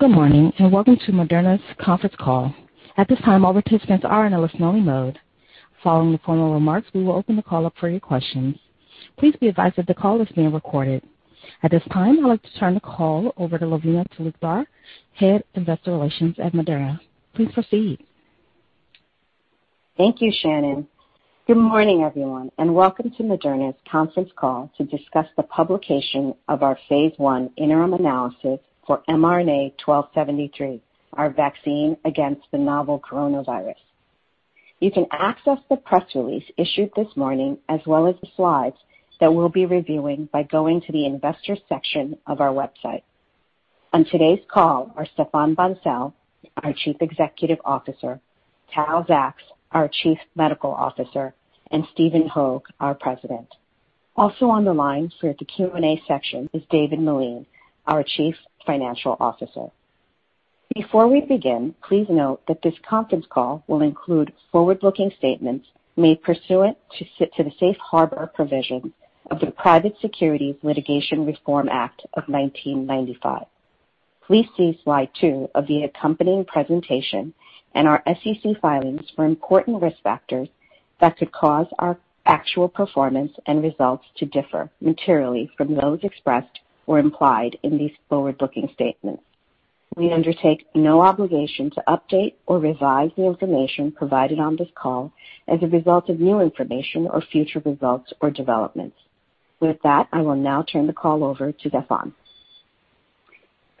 Good morning, welcome to Moderna's conference call. At this time, all participants are in a listen-only mode. Following the formal remarks, we will open the call up for your questions. Please be advised that the call is being recorded. At this time, I would like to turn the call over to Lavina Talukdar, Head of Investor Relations at Moderna. Please proceed. Thank you, Shannon. Good morning, everyone, welcome to Moderna's conference call to discuss the publication of our phase I interim analysis for mRNA-1273, our vaccine against the novel coronavirus. You can access the press release issued this morning, as well as the slides that we'll be reviewing, by going to the Investors section of our website. On today's call are Stéphane Bancel, our Chief Executive Officer, Tal Zaks, our Chief Medical Officer, Stephen Hoge, our President. Also on the line for the Q&A section is David Meline, our Chief Financial Officer. Before we begin, please note that this conference call will include forward-looking statements made pursuant to the Safe Harbor provision of the Private Securities Litigation Reform Act of 1995. Please see slide two of the accompanying presentation and our SEC filings for important risk factors that could cause our actual performance and results to differ materially from those expressed or implied in these forward-looking statements. We undertake no obligation to update or revise the information provided on this call as a result of new information or future results or developments. With that, I will now turn the call over to Stéphane.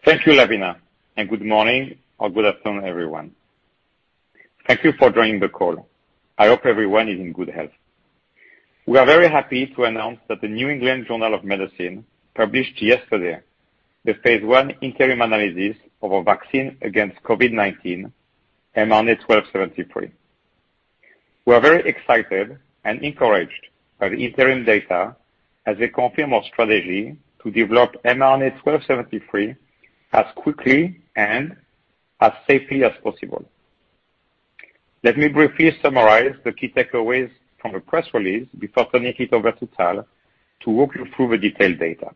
Thank you, Lavina. Good morning or good afternoon, everyone. Thank you for joining the call. I hope everyone is in good health. We are very happy to announce that the New England Journal of Medicine published yesterday the phase I interim analysis of our vaccine against COVID-19, mRNA-1273. We're very excited and encouraged by the interim data as they confirm our strategy to develop mRNA-1273 as quickly and as safely as possible. Let me briefly summarize the key takeaways from the press release before turning it over to Tal to walk you through the detailed data.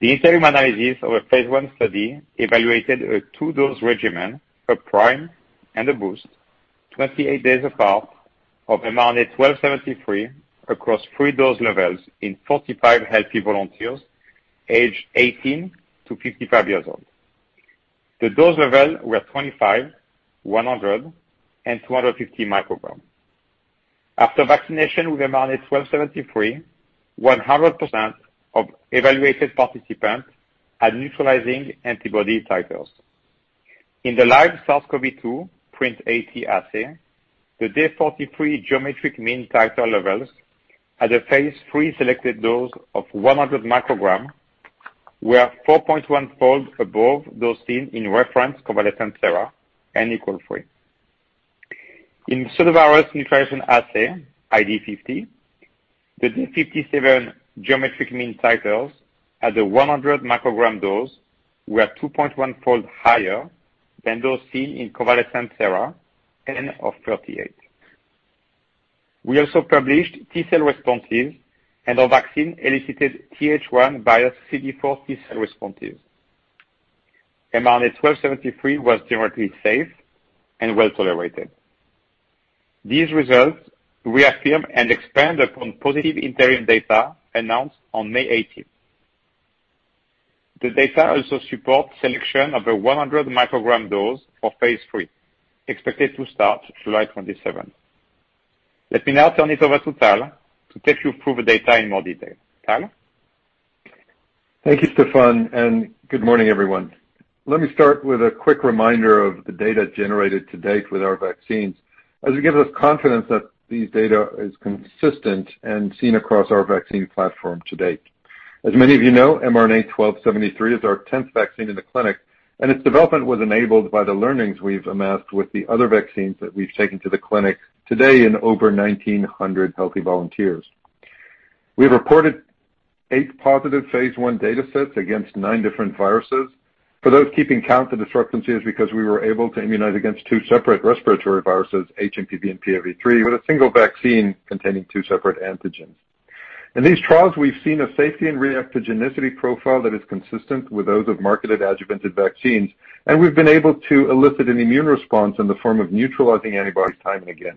The interim analysis of our phase I study evaluated a two-dose regimen, a prime and a boost 28 days apart, of mRNA-1273 across 3 dose levels in 45 healthy volunteers aged 18 to 55 years old. The dose levels were 25, 100, and 250 micrograms. After vaccination with mRNA-1273, 100% of evaluated participants had neutralizing antibody titers. In the live SARS-CoV-2 PRNT80 assay, the day 43 geometric mean titer levels at a phase III selected dose of 100 micrograms were 4.1-fold above those seen in reference convalescent sera, N equal 3. In pseudovirus neutralization assay, ID50, the day 57 geometric mean titers at the 100 microgram dose were 2.1-fold higher than those seen in convalescent sera, N of 38. Our vaccine elicited TH1 bias CD4 T-cell responses. mRNA-1273 was generally safe and well-tolerated. These results reaffirm and expand upon positive interim data announced on May 18th. The data also supports selection of the 100 microgram dose for phase III, expected to start July 27th. Let me now turn it over to Tal to take you through the data in more detail. Tal? Thank you, Stéphane, and good morning, everyone. Let me start with a quick reminder of the data generated to date with our vaccines, as it gives us confidence that these data is consistent and seen across our vaccine platform to date. As many of you know, mRNA-1273 is our 10th vaccine in the clinic, and its development was enabled by the learnings we've amassed with the other vaccines that we've taken to the clinic today in over 1,900 healthy volunteers. We have reported eight positive phase I data sets against nine different viruses. For those keeping count, the discrepancy is because we were able to immunize against two separate respiratory viruses, HMPV and PIV3, with a single vaccine containing two separate antigens. In these trials, we've seen a safety and reactogenicity profile that is consistent with those of marketed adjuvanted vaccines, and we've been able to elicit an immune response in the form of neutralizing antibodies time and again.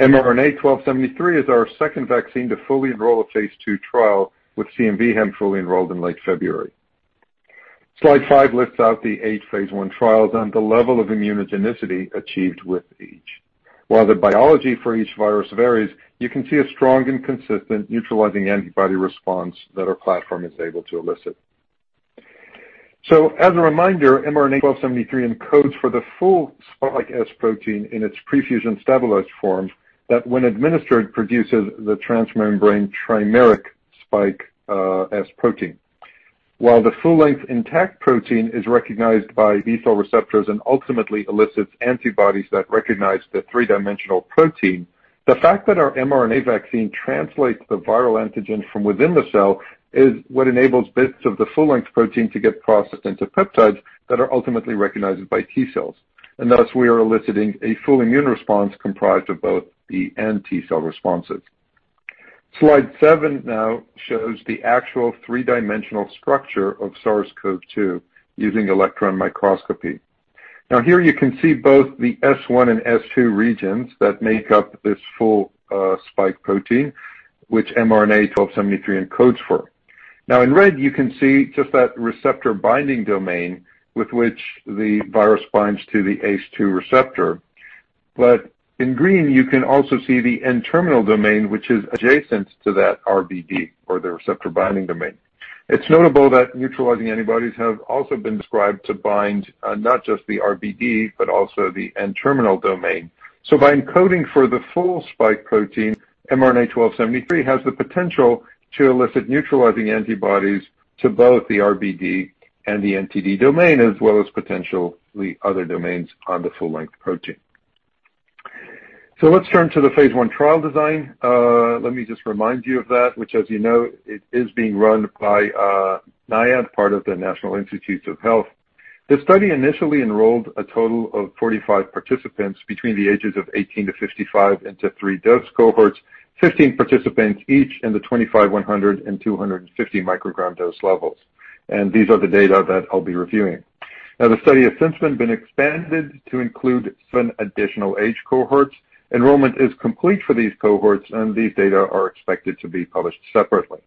mRNA-1273 is our second vaccine to fully enroll a phase II trial, with CMV fully enrolled in late February. Slide five lists out the eight phase I trials and the level of immunogenicity achieved with each. While the biology for each virus varies, you can see a strong and consistent neutralizing antibody response that our platform is able to elicit. As a reminder, mRNA-1273 encodes for the full spike S protein in its prefusion stabilized form, that when administered, produces the transmembrane trimeric spike S protein. While the full-length intact protein is recognized by B-cell receptors and ultimately elicits antibodies that recognize the three-dimensional protein, the fact that our mRNA vaccine translates the viral antigen from within the cell is what enables bits of the full-length protein to get processed into peptides that are ultimately recognized by T-cells, and thus, we are eliciting a full immune response comprised of both B and T-cell responses. Slide seven now shows the actual three-dimensional structure of SARS-CoV-2 using electron microscopy. Here you can see both the S1 and S2 regions that make up this full spike protein, which mRNA-1273 encodes for. In red, you can see just that receptor binding domain with which the virus binds to the ACE2 receptor. In green, you can also see the N-terminal domain, which is adjacent to that RBD or the receptor binding domain. It's notable that neutralizing antibodies have also been described to bind not just the RBD, but also the N-terminal domain. By encoding for the full spike protein, mRNA-1273 has the potential to elicit neutralizing antibodies to both the RBD and the NTD domain, as well as potentially other domains on the full-length protein. Let's turn to the phase I trial design. Let me just remind you of that, which as you know, it is being run by NIAID, part of the National Institutes of Health. The study initially enrolled a total of 45 participants between the ages of 18 to 55 into 3 dose cohorts, 15 participants each in the 25, 100, and 250 microgram dose levels. These are the data that I'll be reviewing. The study has since been expanded to include 7 additional age cohorts. Enrollment is complete for these cohorts, and these data are expected to be published separately.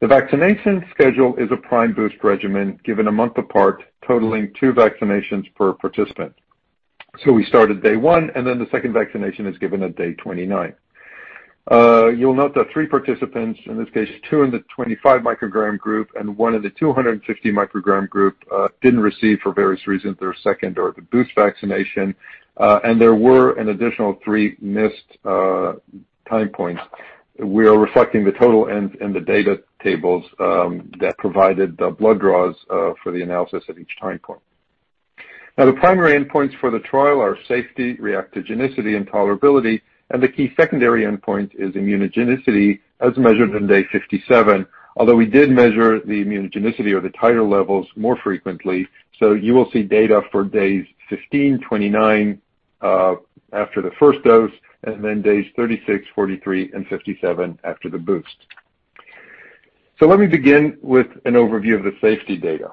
The vaccination schedule is a prime boost regimen given a month apart, totaling two vaccinations per participant. We start at day one, the second vaccination is given at day 29. You'll note that three participants, in this case, two in the 25 microgram group and one in the 250 microgram group, didn't receive, for various reasons, their second or the boost vaccination. There were an additional three missed time points. We are reflecting the total in the data tables that provided the blood draws for the analysis at each time point. Now the primary endpoints for the trial are safety, reactogenicity, and tolerability, and the key secondary endpoint is immunogenicity as measured on day 57. Although we did measure the immunogenicity or the titer levels more frequently, you will see data for days 15, 29, after the first dose, and then days 36, 43, and 57 after the boost. Let me begin with an overview of the safety data.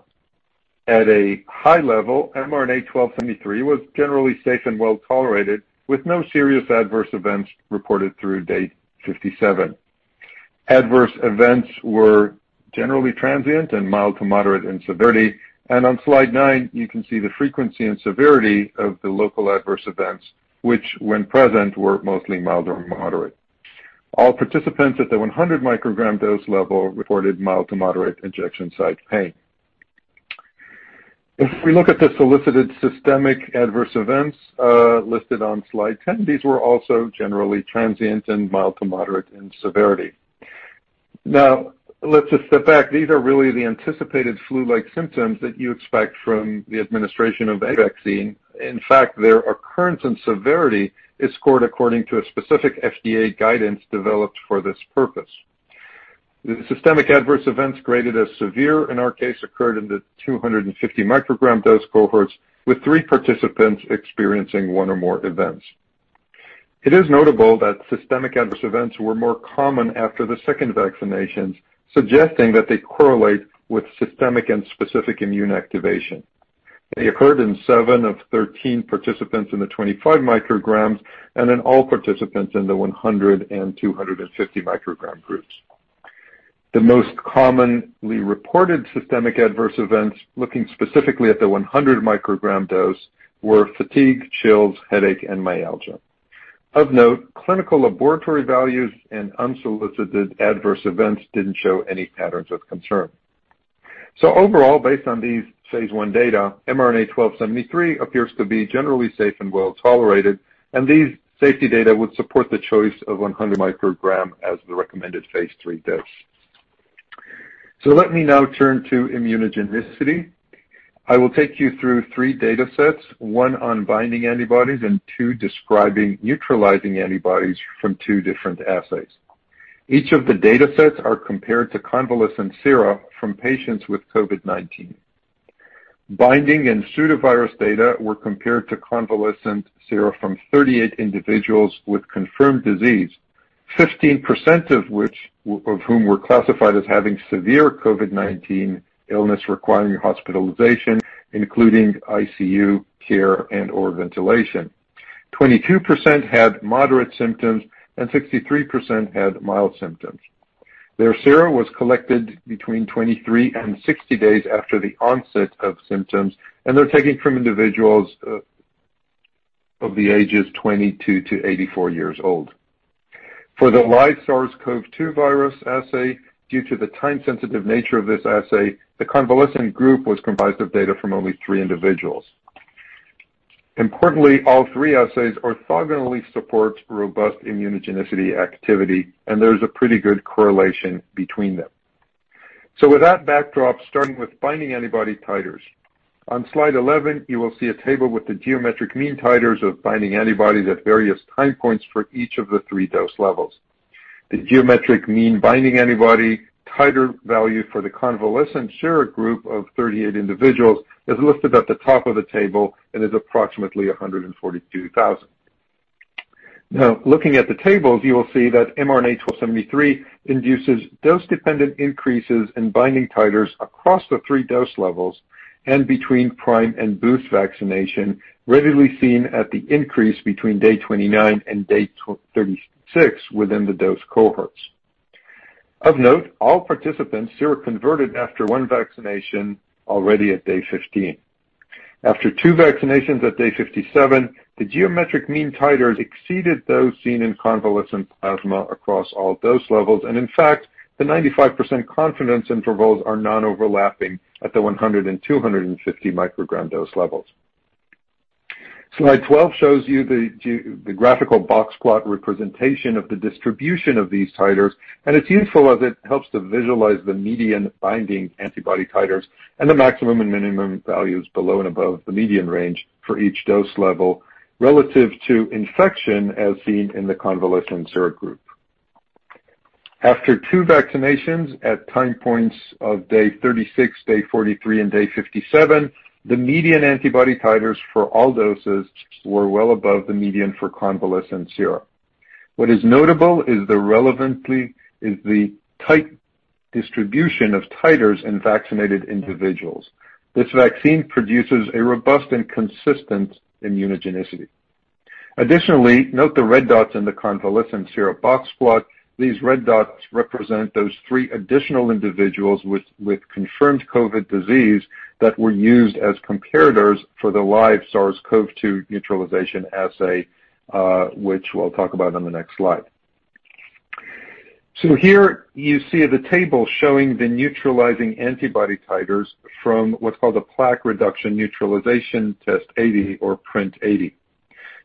At a high level, mRNA-1273 was generally safe and well-tolerated, with no serious adverse events reported through day 57. Adverse events were generally transient and mild to moderate in severity. On slide nine, you can see the frequency and severity of the local adverse events, which, when present, were mostly mild or moderate. All participants at the 100 microgram dose level reported mild to moderate injection site pain. If we look at the solicited systemic adverse events listed on slide 10, these were also generally transient and mild to moderate in severity. Now, let's just step back. These are really the anticipated flu-like symptoms that you expect from the administration of any vaccine. In fact, their occurrence and severity is scored according to a specific FDA guidance developed for this purpose. The systemic adverse events graded as severe in our case occurred in the 250 microgram dose cohorts, with three participants experiencing one or more events. It is notable that systemic adverse events were more common after the second vaccinations, suggesting that they correlate with systemic and specific immune activation. They occurred in 7 of 13 participants in the 25 micrograms, and in all participants in the 100 and 250 microgram groups. The most commonly reported systemic adverse events, looking specifically at the 100 microgram dose, were fatigue, chills, headache, and myalgia. Of note, clinical laboratory values and unsolicited adverse events didn't show any patterns of concern. Overall, based on these phase I data, mRNA-1273 appears to be generally safe and well-tolerated, and these safety data would support the choice of 100 micrograms as the recommended phase III dose. Let me now turn to immunogenicity. I will take you through three data sets, one on binding antibodies and two describing neutralizing antibodies from two different assays. Each of the data sets are compared to convalescent sera from patients with COVID-19. Binding and pseudovirus data were compared to convalescent sera from 38 individuals with confirmed disease, 15% of whom were classified as having severe COVID-19 illness requiring hospitalization, including ICU care and/or ventilation. 22% had moderate symptoms, and 63% had mild symptoms. Their sera was collected between 23 and 60 days after the onset of symptoms, and they're taking from individuals of the ages 22 to 84 years old. For the live SARS-CoV-2 virus assay, due to the time-sensitive nature of this assay, the convalescent group was comprised of data from only three individuals. Importantly, all three assays orthogonally support robust immunogenicity activity, and there's a pretty good correlation between them. With that backdrop, starting with binding antibody titers. On slide 11, you will see a table with the geometric mean Titer of binding antibodies at various time points for each of the three dose levels. The geometric mean binding antibody Titer value for the convalescent sera group of 38 individuals is listed at the top of the table and is approximately 142,000. Now, looking at the tables, you will see that mRNA-1273 induces dose-dependent increases in binding titers across the three dose levels and between prime and boost vaccination, readily seen at the increase between day 29 and day 36 within the dose cohorts. Of note, all participants sera converted after one vaccination already at day 15. After two vaccinations at day 57, the geometric mean titers exceeded those seen in convalescent plasma across all dose levels. In fact, the 95% confidence intervals are non-overlapping at the 100 and 250 microgram dose levels. Slide 12 shows you the graphical box plot representation of the distribution of these titers. It's useful as it helps to visualize the median binding antibody titers and the maximum and minimum values below and above the median range for each dose level relative to infection, as seen in the convalescent sera group. After two vaccinations at time points of day 36, day 43, and day 57, the median antibody titers for all doses were well above the median for convalescent sera. What is notable is the tight distribution of titers in vaccinated individuals. This vaccine produces a robust and consistent immunogenicity. Additionally, note the red dots in the convalescent sera box plot. These red dots represent those three additional individuals with confirmed COVID disease that were used as comparators for the live SARS-CoV-2 neutralization assay, which we'll talk about on the next slide. Here you see the table showing the neutralizing antibody titers from what's called a plaque reduction neutralization test 80, or PRNT80.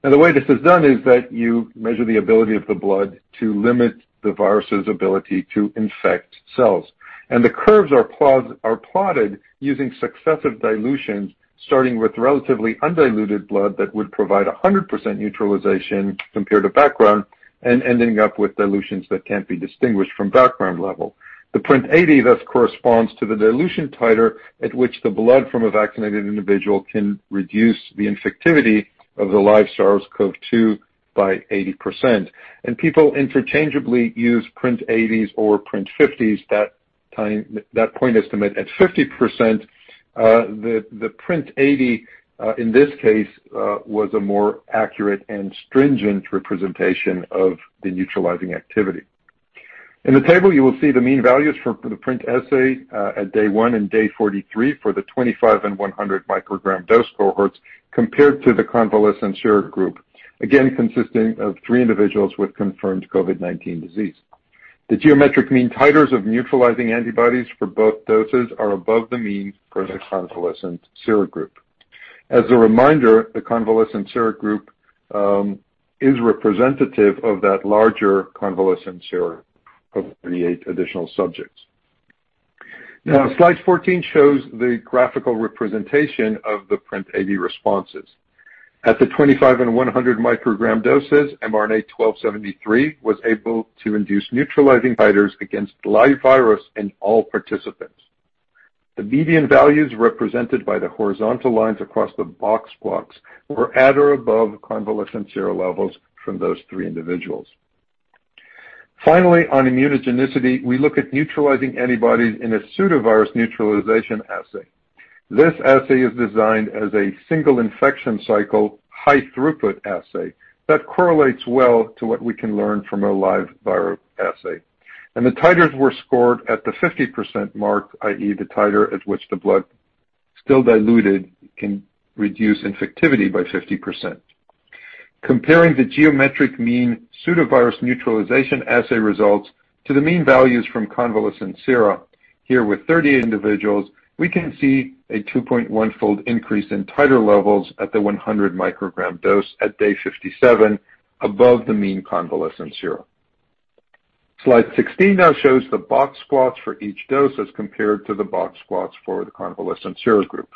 The way this is done is that you measure the ability of the blood to limit the virus's ability to infect cells. The curves are plotted using successive dilutions, starting with relatively undiluted blood that would provide 100% neutralization compared to background, and ending up with dilutions that can't be distinguished from background level. The PRNT80 thus corresponds to the dilution titer at which the blood from a vaccinated individual can reduce the infectivity of the live SARS-CoV-2 by 80%, and people interchangeably use PRNT80s or PRNT50s, that point estimate at 50%. The PRNT80, in this case, was a more accurate and stringent representation of the neutralizing activity. In the table, you will see the mean values for the PRNT assay at day one and day 43 for the 25 and 100 microgram dose cohorts compared to the convalescent sera group, again, consisting of three individuals with confirmed COVID-19 disease. The geometric mean titers of neutralizing antibodies for both doses are above the means for the convalescent sera group. As a reminder, the convalescent sera group is representative of that larger convalescent sera of 38 additional subjects. Now, slide 14 shows the graphical representation of the PRNT80 responses. At the 25 and 100 microgram doses, mRNA-1273 was able to induce neutralizing titers against live virus in all participants. The median values represented by the horizontal lines across the box plots were at or above convalescent sera levels from those three individuals. On immunogenicity, we look at neutralizing antibodies in a pseudovirus neutralization assay. This assay is designed as a single infection cycle, high throughput assay that correlates well to what we can learn from a live virus assay. The titers were scored at the 50% mark, i.e., the titer at which the blood, still diluted, can reduce infectivity by 50%. Comparing the geometric mean pseudovirus neutralization assay results to the mean values from convalescent sera, here with 38 individuals, we can see a 2.1-fold increase in titer levels at the 100 microgram dose at day 57 above the mean convalescent sera. Slide 16 now shows the box plots for each dose as compared to the box plots for the convalescent sera group.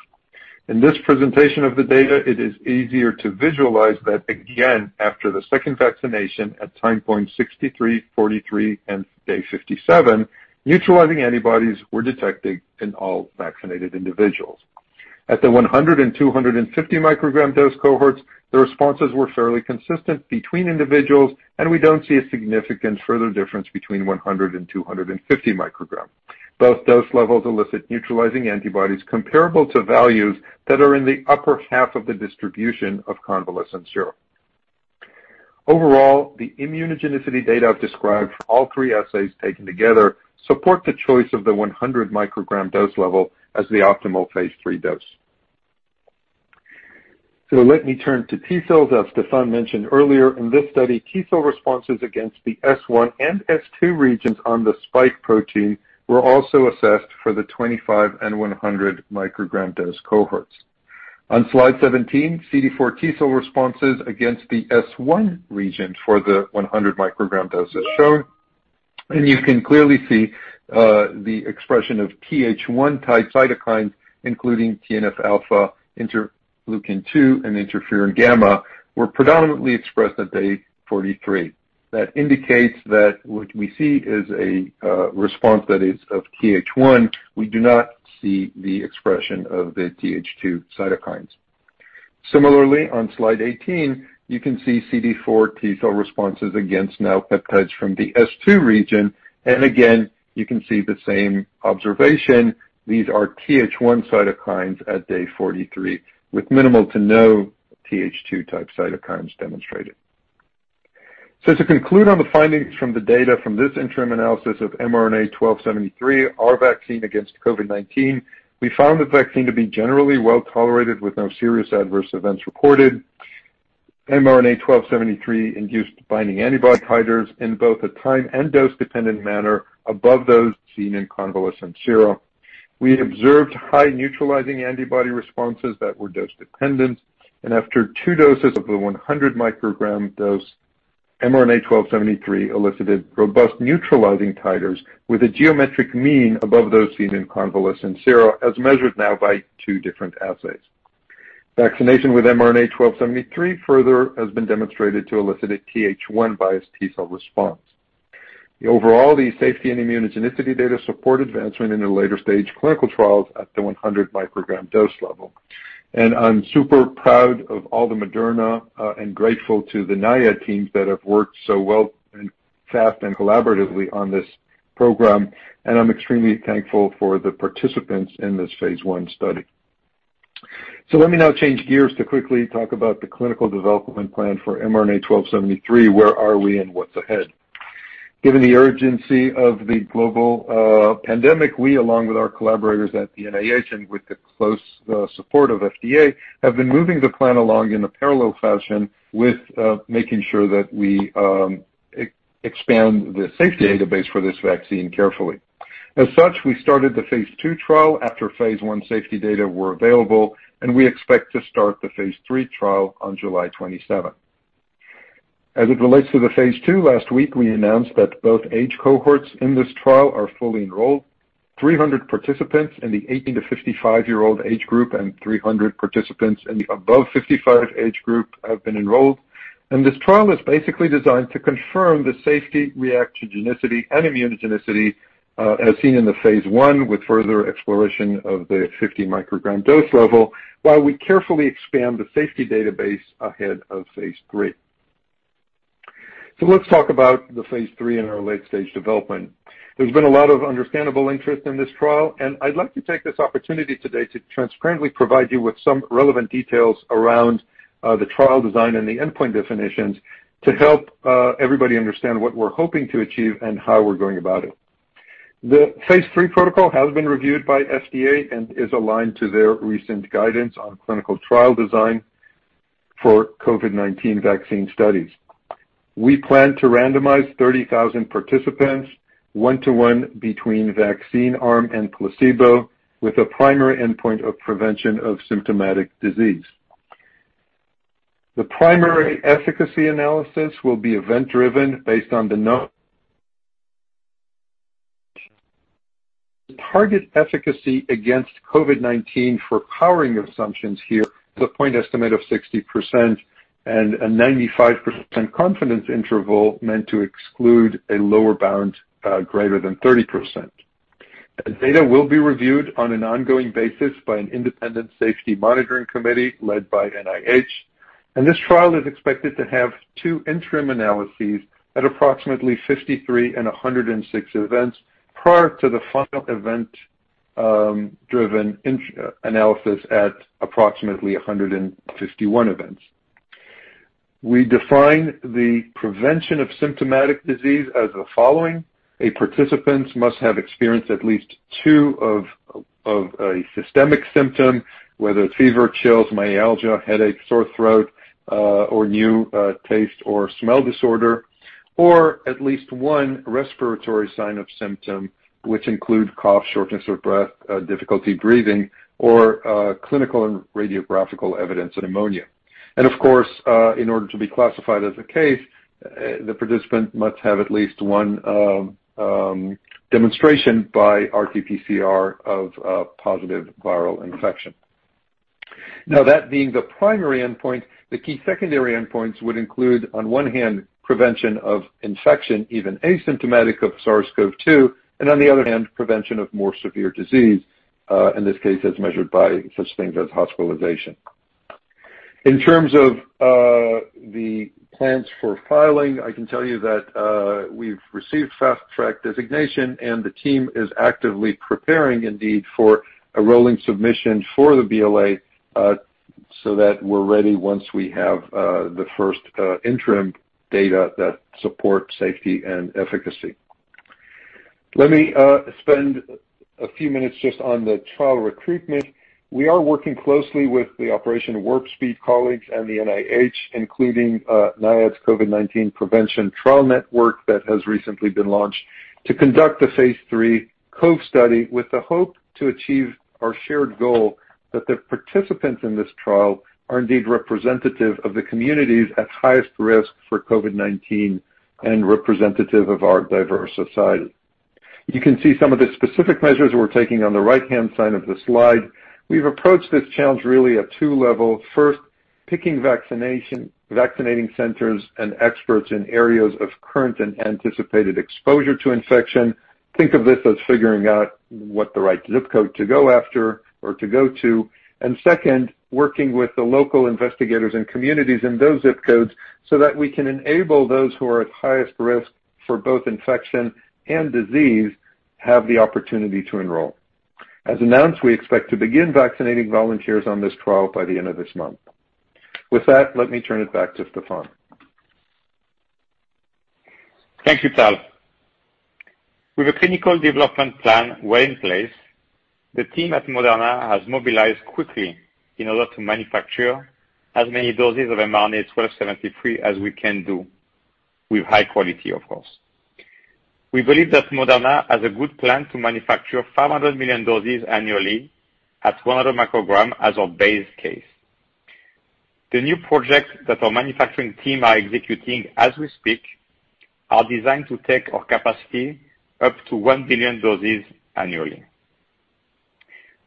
In this presentation of the data, it is easier to visualize that, again, after the second vaccination at time point 63, 43, and day 57, neutralizing antibodies were detected in all vaccinated individuals. At the 100 and 250 microgram dose cohorts, the responses were fairly consistent between individuals, and we don't see a significant further difference between 100 and 250 microgram. Both dose levels elicit neutralizing antibodies comparable to values that are in the upper half of the distribution of convalescent sera. Overall, the immunogenicity data I've described for all three assays taken together support the choice of the 100 microgram dose level as the optimal phase III dose. Let me turn to T cells. As Stéphane mentioned earlier, in this study, T cell responses against the S1 and S2 regions on the spike protein were also assessed for the 25 and 100 microgram dose cohorts. On slide 17, CD4 T cell responses against the S1 region for the 100 microgram dose is shown, and you can clearly see the expression of Th1 type cytokines, including TNF-alpha, interleukin-2, and interferon gamma, were predominantly expressed at day 43. That indicates that what we see is a response that is of Th1. We do not see the expression of the Th2 cytokines. Similarly, on slide 18, you can see CD4 T cell responses against now peptides from the S2 region. Again, you can see the same observation. These are Th1 cytokines at day 43, with minimal to no Th2 type cytokines demonstrated. To conclude on the findings from the data from this interim analysis of mRNA-1273, our vaccine against COVID-19, we found the vaccine to be generally well tolerated with no serious adverse events reported. mRNA-1273 induced binding antibody titers in both a time and dose-dependent manner above those seen in convalescent sera. We observed high neutralizing antibody responses that were dose-dependent, and after two doses of the 100 microgram dose, mRNA-1273 elicited robust neutralizing titers with a geometric mean above those seen in convalescent sera, as measured now by two different assays. Vaccination with mRNA-1273 further has been demonstrated to elicit a Th1 biased T cell response. Overall, the safety and immunogenicity data support advancement into later stage clinical trials at the 100 microgram dose level. I'm super proud of all the Moderna, and grateful to the NIAID teams that have worked so well, fast, and collaboratively on this program, and I'm extremely thankful for the participants in this phase I study. Let me now change gears to quickly talk about the clinical development plan for mRNA-1273, where are we, and what's ahead. Given the urgency of the global pandemic, we, along with our collaborators at the NIH, and with the close support of FDA, have been moving the plan along in a parallel fashion with making sure that we expand the safety database for this vaccine carefully. As such, we started the phase II trial after phase I safety data were available, and we expect to start the phase III trial on July 27th. As it relates to the phase II, last week we announced that both age cohorts in this trial are fully enrolled. 300 participants in the 18 to 55-year-old age group and 300 participants in the above 55 age group have been enrolled. This trial is basically designed to confirm the safety, reactogenicity, and immunogenicity, as seen in the phase I, with further exploration of the 50 microgram dose level, while we carefully expand the safety database ahead of phase III. Let's talk about the phase III and our late-stage development. There's been a lot of understandable interest in this trial, and I'd like to take this opportunity today to transparently provide you with some relevant details around the trial design and the endpoint definitions to help everybody understand what we're hoping to achieve and how we're going about it. The phase III protocol has been reviewed by FDA and is aligned to their recent guidance on clinical trial design for COVID-19 vaccine studies. We plan to randomize 30,000 participants, one to one between vaccine arm and placebo, with a primary endpoint of prevention of symptomatic disease. The primary efficacy analysis will be event-driven based on the target efficacy against COVID-19 for powering assumptions here is a point estimate of 60% and a 95% confidence interval meant to exclude a lower bound greater than 30%. Data will be reviewed on an ongoing basis by an independent safety monitoring committee led by NIH. This trial is expected to have two interim analyses at approximately 53 and 106 events prior to the final event-driven analysis at approximately 151 events. We define the prevention of symptomatic disease as the following. A participant must have experienced at least two of a systemic symptom, whether fever, chills, myalgia, headache, sore throat, or new taste or smell disorder. At least one respiratory sign of symptom, which include cough, shortness of breath, difficulty breathing, or clinical and radiographical evidence of pneumonia. In order to be classified as a case, the participant must have at least one demonstration by RT-PCR of positive viral infection. Now that being the primary endpoint, the key secondary endpoints would include, on one hand, prevention of infection, even asymptomatic of SARS-CoV-2, and on the other hand, prevention of more severe disease, in this case, as measured by such things as hospitalization. In terms of the plans for filing, I can tell you that we've received Fast Track designation, and the team is actively preparing indeed for a rolling submission for the BLA, so that we're ready once we have the first interim data that support safety and efficacy. Let me spend a few minutes just on the trial recruitment. We are working closely with the Operation Warp Speed colleagues and the NIH, including NIAID's COVID-19 Prevention Trial Network that has recently been launched to conduct the phase III COVE study with the hope to achieve our shared goal that the participants in this trial are indeed representative of the communities at highest risk for COVID-19 and representative of our diverse society. You can see some of the specific measures we're taking on the right-hand side of the slide. We've approached this challenge really at two levels. First, picking vaccinating centers and experts in areas of current and anticipated exposure to infection. Think of this as figuring out what the right ZIP code to go after or to go to, and second, working with the local investigators and communities in those ZIP codes so that we can enable those who are at highest risk for both infection and disease have the opportunity to enroll. As announced, we expect to begin vaccinating volunteers on this trial by the end of this month. With that, let me turn it back to Stéphane. Thank you, Tal. With a clinical development plan well in place, the team at Moderna has mobilized quickly in order to manufacture as many doses of mRNA-1273 as we can do, with high quality, of course. We believe that Moderna has a good plan to manufacture 500 million doses annually at 200 microgram as our base case. The new projects that our manufacturing team are executing as we speak are designed to take our capacity up to 1 billion doses annually.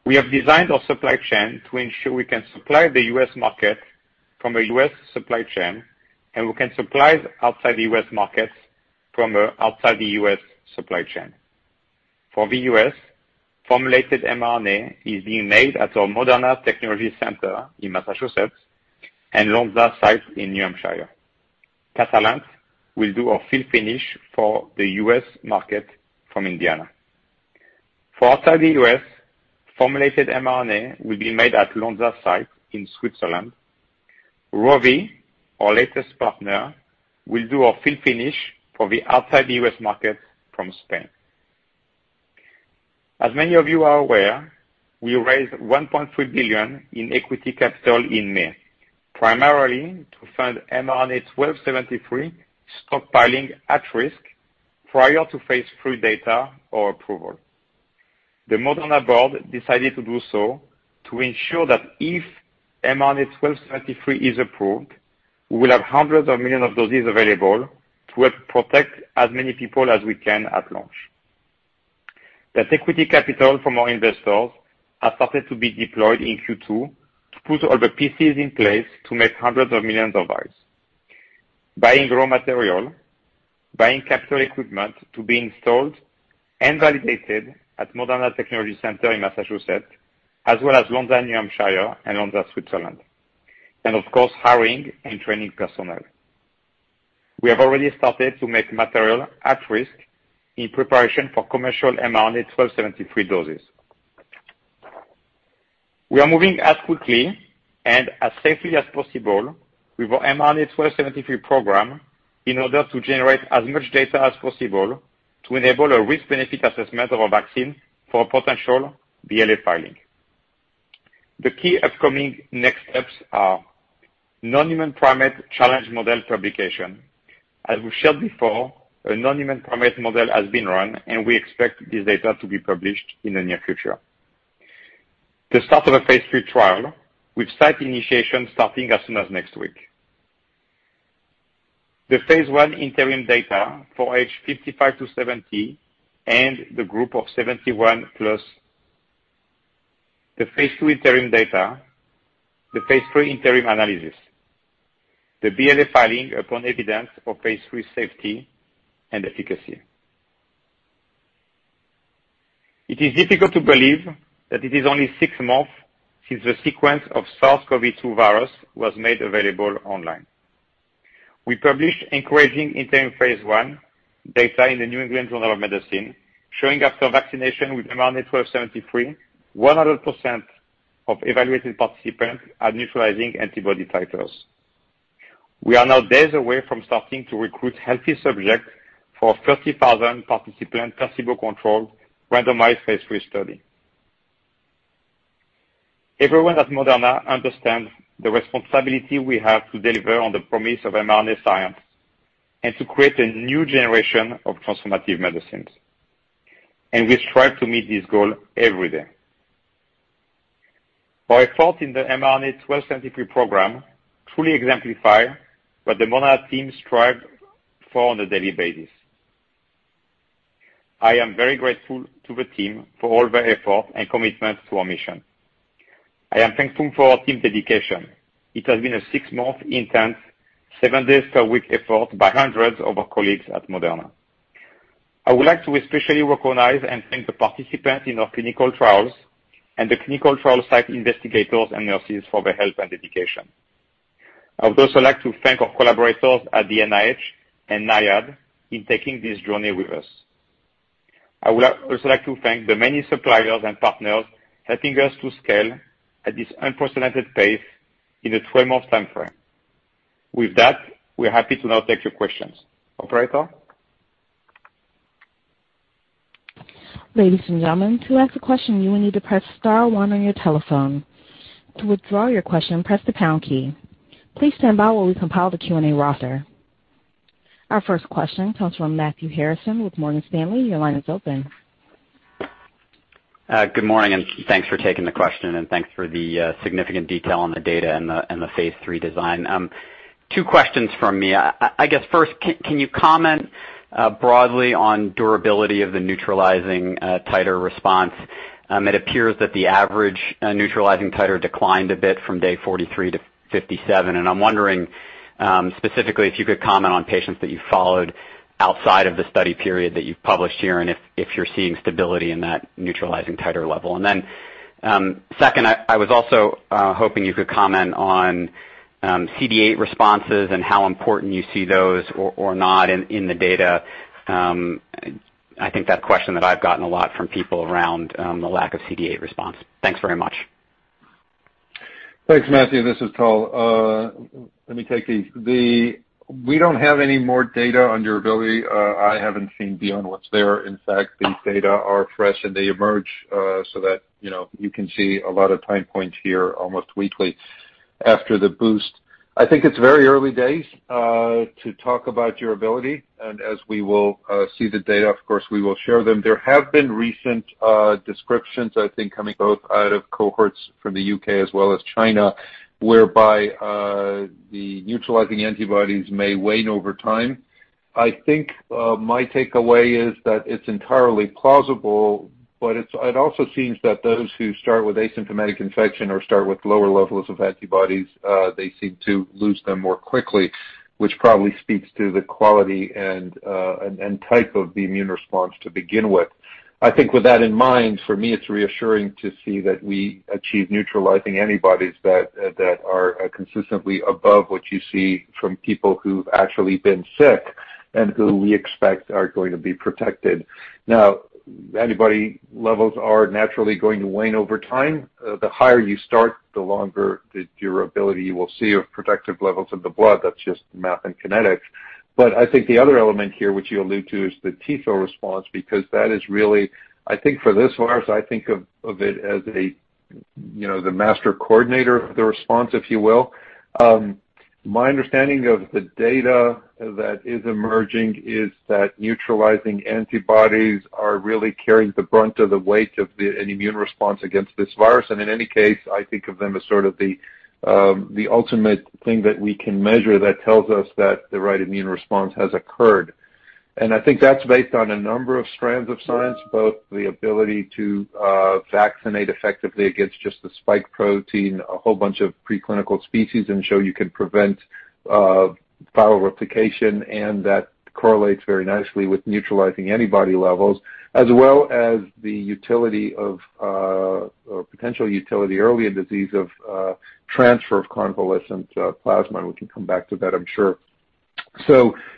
We have designed our supply chain to ensure we can supply the U.S. market from a U.S. supply chain, and we can supply outside the U.S. markets from outside the U.S. supply chain. For the U.S., formulated mRNA is being made at our Moderna Technology Center in Massachusetts and Lonza site in New Hampshire. Catalent will do a fill finish for the U.S. market from Indiana. For outside the U.S., formulated mRNA will be made at Lonza site in Switzerland. Rovi, our latest partner, will do a fill finish for the outside the U.S. market from Spain. As many of you are aware, we raised $1.3 billion in equity capital in May, primarily to fund mRNA-1273 stockpiling at risk prior to phase III data or approval. The Moderna board decided to do so to ensure that if mRNA-1273 is approved, we will have hundreds of millions of doses available to help protect as many people as we can at launch. That equity capital from our investors has started to be deployed in Q2 to put all the pieces in place to make hundreds of millions of vials. Buying raw material, buying capital equipment to be installed and validated at Moderna Technology Center in Massachusetts, as well as Lonza, New Hampshire and Lonza, Switzerland. Of course, hiring and training personnel. We have already started to make material at risk in preparation for commercial mRNA-1273 doses. We are moving as quickly and as safely as possible with our mRNA-1273 program in order to generate as much data as possible to enable a risk benefit assessment of our vaccine for a potential BLA filing. The key upcoming next steps are non-human primate challenge model publication. As we've shared before, a non-human primate model has been run, and we expect this data to be published in the near future. The start of a phase III trial, with site initiation starting as soon as next week. The phase I interim data for age 55 to 70 and the group of 71 plus, the phase II interim data, the phase III interim analysis, the BLA filing upon evidence for phase III safety and efficacy. It is difficult to believe that it is only six months since the sequence of SARS-CoV-2 virus was made available online. We published encouraging interim phase I data in the New England Journal of Medicine, showing after vaccination with mRNA-1273, 100% of evaluated participants had neutralizing antibody titers. We are now days away from starting to recruit healthy subjects for a 30,000 participant placebo-controlled randomized phase III study. Everyone at Moderna understands the responsibility we have to deliver on the promise of mRNA science and to create a new generation of transformative medicines. We strive to meet this goal every day. Our effort in the mRNA-1273 program truly exemplifies what the Moderna team strive for on a daily basis. I am very grateful to the team for all their effort and commitment to our mission. I am thankful for our team's dedication. It has been a six-month intense, seven days per week effort by hundreds of our colleagues at Moderna. I would like to especially recognize and thank the participants in our clinical trials and the clinical trial site investigators and nurses for their help and dedication. I would also like to thank our collaborators at the NIH and NIAID in taking this journey with us. I would also like to thank the many suppliers and partners helping us to scale at this unprecedented pace in a 12-month timeframe. With that, we're happy to now take your questions. Operator? Ladies and gentlemen, to ask a question, you will need to press star one on your telephone. To withdraw your question, press the pound key. Please stand by while we compile the Q&A roster. Our first question comes from Matthew Harrison with Morgan Stanley. Your line is open. Good morning. Thanks for taking the question. Thanks for the significant detail on the data and the phase III design. Two questions from me. First, can you comment broadly on durability of the neutralizing titer response? It appears that the average neutralizing titer declined a bit from day 43 to 57. I'm wondering specifically if you could comment on patients that you followed outside of the study period that you've published here. If you're seeing stability in that neutralizing titer level. Second, I was also hoping you could comment on CD8 responses and how important you see those or not in the data. I think that question that I've gotten a lot from people around the lack of CD8 response. Thanks very much. Thanks, Matthew. This is Tal. Let me take these. We don't have any more data on durability. I haven't seen beyond what's there. In fact, these data are fresh and they emerge, so that you can see a lot of time points here almost weekly after the boost. I think it's very early days to talk about durability. As we will see the data, of course, we will share them. There have been recent descriptions, I think, coming both out of cohorts from the U.K. as well as China, whereby the neutralizing antibodies may wane over time. I think my takeaway is that it's entirely plausible, but it also seems that those who start with asymptomatic infection or start with lower levels of antibodies, they seem to lose them more quickly, which probably speaks to the quality and type of the immune response to begin with. I think with that in mind, for me, it's reassuring to see that we achieve neutralizing antibodies that are consistently above what you see from people who've actually been sick and who we expect are going to be protected. Now, antibody levels are naturally going to wane over time. The higher you start, the longer the durability you will see of protective levels in the blood. That's just math and kinetics. I think the other element here, which you allude to, is the T cell response, because that is really, I think for this virus, I think of it as the master coordinator of the response, if you will. My understanding of the data that is emerging is that neutralizing antibodies are really carrying the brunt of the weight of an immune response against this virus. In any case, I think of them as sort of the ultimate thing that we can measure that tells us that the right immune response has occurred. I think that's based on a number of strands of science, both the ability to vaccinate effectively against just the spike protein, a whole bunch of preclinical species, and show you can prevent viral replication, and that correlates very nicely with neutralizing antibody levels, as well as the potential utility early in disease of transfer of convalescent plasma, and we can come back to that, I'm sure.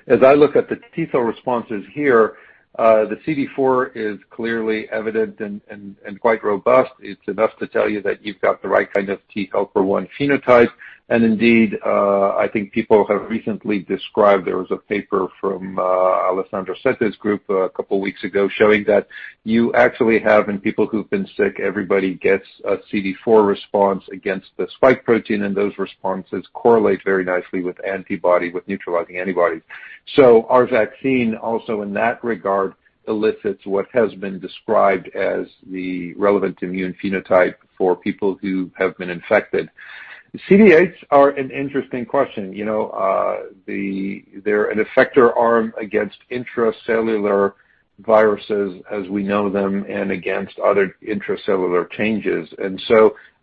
As I look at the T cell responses here, the CD4 is clearly evident and quite robust. It's enough to tell you that you've got the right kind of T helper 1 phenotype. Indeed, I think people have recently described, there was a paper from Alessandro Sette's group a couple of weeks ago showing that you actually have, in people who've been sick, everybody gets a CD4 response against the spike protein, and those responses correlate very nicely with neutralizing antibodies. Our vaccine also in that regard elicits what has been described as the relevant immune phenotype for people who have been infected. CD8s are an interesting question. They're an effector arm against intracellular viruses as we know them and against other intracellular changes.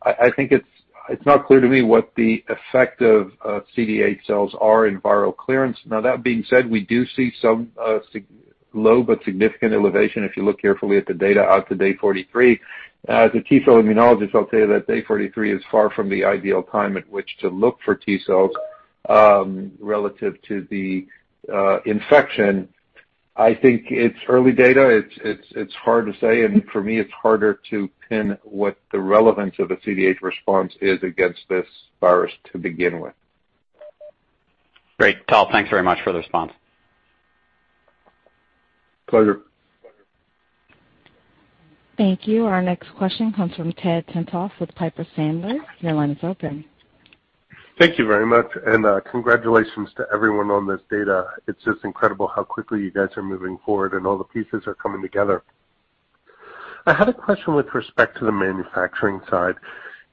I think it's not clear to me what the effect of CD8 cells are in viral clearance. Now, that being said, we do see some low but significant elevation if you look carefully at the data out to day 43. As a T cell immunologist, I'll tell you that day 43 is far from the ideal time at which to look for T cells relative to the infection. I think it's early data. It's hard to say. For me, it's harder to pin what the relevance of a CD8 response is against this virus to begin with. Great, Tal. Thanks very much for the response. Pleasure. Thank you. Our next question comes from Ted Tenthoff with Piper Sandler. Your line is open. Thank you very much, congratulations to everyone on this data. It's just incredible how quickly you guys are moving forward and all the pieces are coming together. I had a question with respect to the manufacturing side.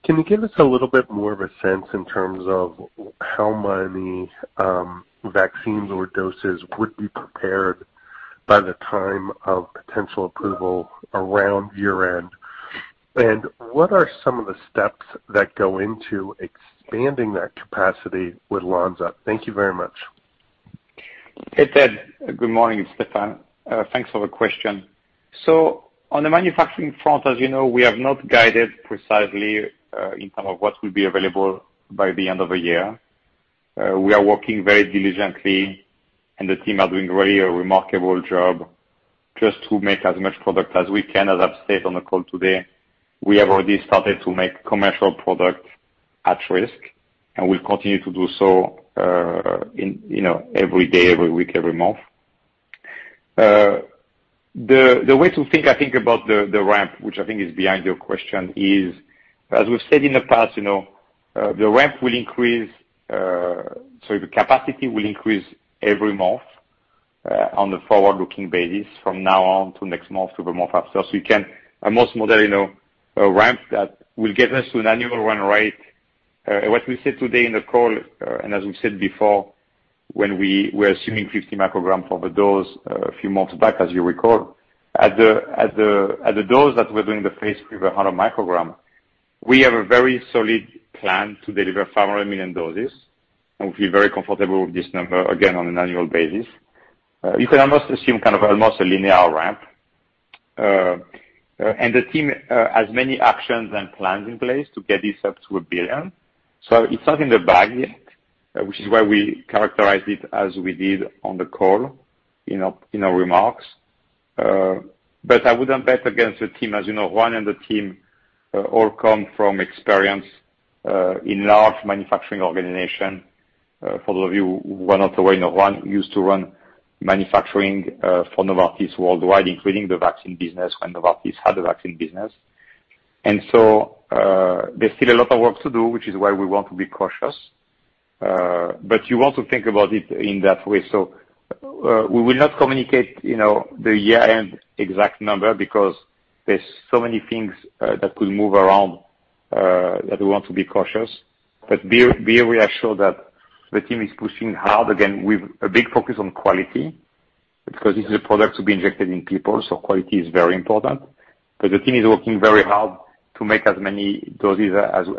Can you give us a little bit more of a sense in terms of how many vaccines or doses would be prepared by the time of potential approval around year-end? What are some of the steps that go into expanding that capacity with Lonza? Thank you very much. Hey, Ted. Good morning. It's Stéphane. Thanks for the question. On the manufacturing front, as you know, we have not guided precisely in term of what will be available by the end of the year. We are working very diligently, and the team are doing really a remarkable job just to make as much product as we can. As I've said on the call today, we have already started to make commercial product at risk, and we'll continue to do so every day, every week, every month. On the forward-looking basis from now on to next month to the month after. You can almost model a ramp that will give us an annual run rate. What we said today in the call, as we said before, when we were assuming 50 micrograms for the dose a few months back, as you recall, at the dose that we're doing the phase III, the 100 microgram, we have a very solid plan to deliver 500 million doses, and we feel very comfortable with this number, again, on an annual basis. You can almost assume kind of almost a linear ramp. The team has many actions and plans in place to get this up to 1 billion. It's not in the bag yet, which is why we characterized it as we did on the call in our remarks. I wouldn't bet against the team. As you know, Juan and the team all come from experience in large manufacturing organization. For those of you who are not aware, Juan used to run manufacturing for Novartis worldwide, including the vaccine business when Novartis had the vaccine business. There's still a lot of work to do, which is why we want to be cautious. You also think about it in that way. We will not communicate the year-end exact number because there's so many things that could move around that we want to be cautious. Be reassured that the team is pushing hard, again, with a big focus on quality, because this is a product to be injected in people, so quality is very important. The team is working very hard to make as many doses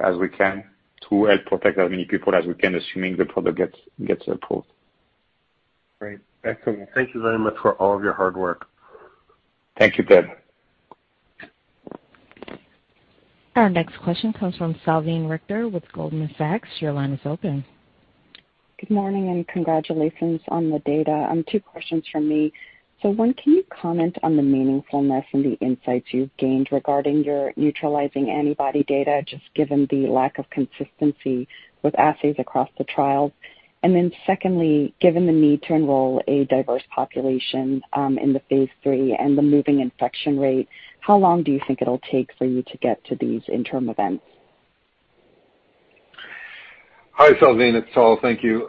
as we can to help protect as many people as we can, assuming the product gets approved. Great. Excellent. Thank you very much for all of your hard work. Thank you, Ted. Our next question comes from Salveen Richter with Goldman Sachs. Your line is open. Good morning, congratulations on the data. Two questions from me. One, can you comment on the meaningfulness and the insights you've gained regarding your neutralizing antibody data, just given the lack of consistency with assays across the trials? Secondly, given the need to enroll a diverse population in the phase III and the moving infection rate, how long do you think it'll take for you to get to these interim events? Hi, Salveen. It's Tal. Thank you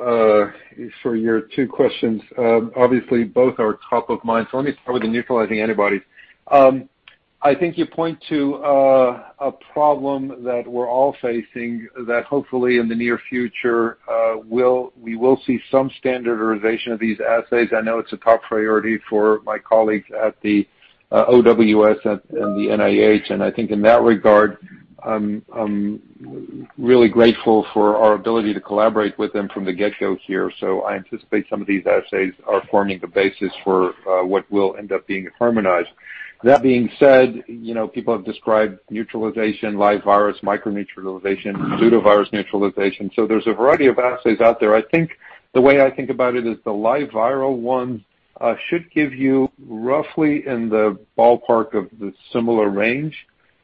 for your two questions. Obviously, both are top of mind. Let me start with the neutralizing antibodies. I think you point to a problem that we're all facing that hopefully in the near future we will see some standardization of these assays. I know it's a top priority for my colleagues at the OWS and the NIH, and I think in that regard, I'm really grateful for our ability to collaborate with them from the get-go here. I anticipate some of these assays are forming the basis for what will end up being harmonized. That being said, people have described neutralization, live virus microneutralization, pseudovirus neutralization. There's a variety of assays out there. I think the way I think about it is the live viral one should give you roughly in the ballpark of the similar range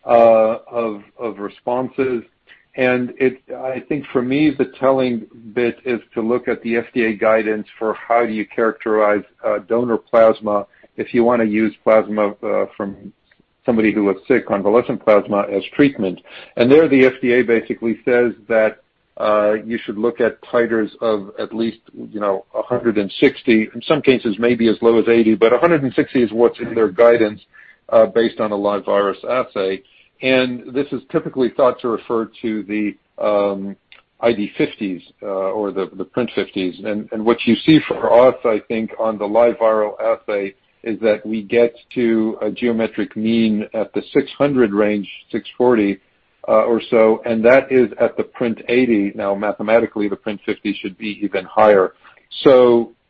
of responses. I think for me, the telling bit is to look at the FDA guidance for how do you characterize donor plasma if you want to use plasma from somebody who looks sick, convalescent plasma, as treatment. There, the FDA basically says that you should look at titers of at least 160, in some cases, maybe as low as 80, but 160 is what's in their guidance based on a live virus assay. This is typically thought to refer to the ID50s or the PRNT50s. What you see for us, I think, on the live viral assay is that we get to a geometric mean at the 600 range, 640 or so, and that is at the PRNT80. Mathematically, the PRNT50 should be even higher.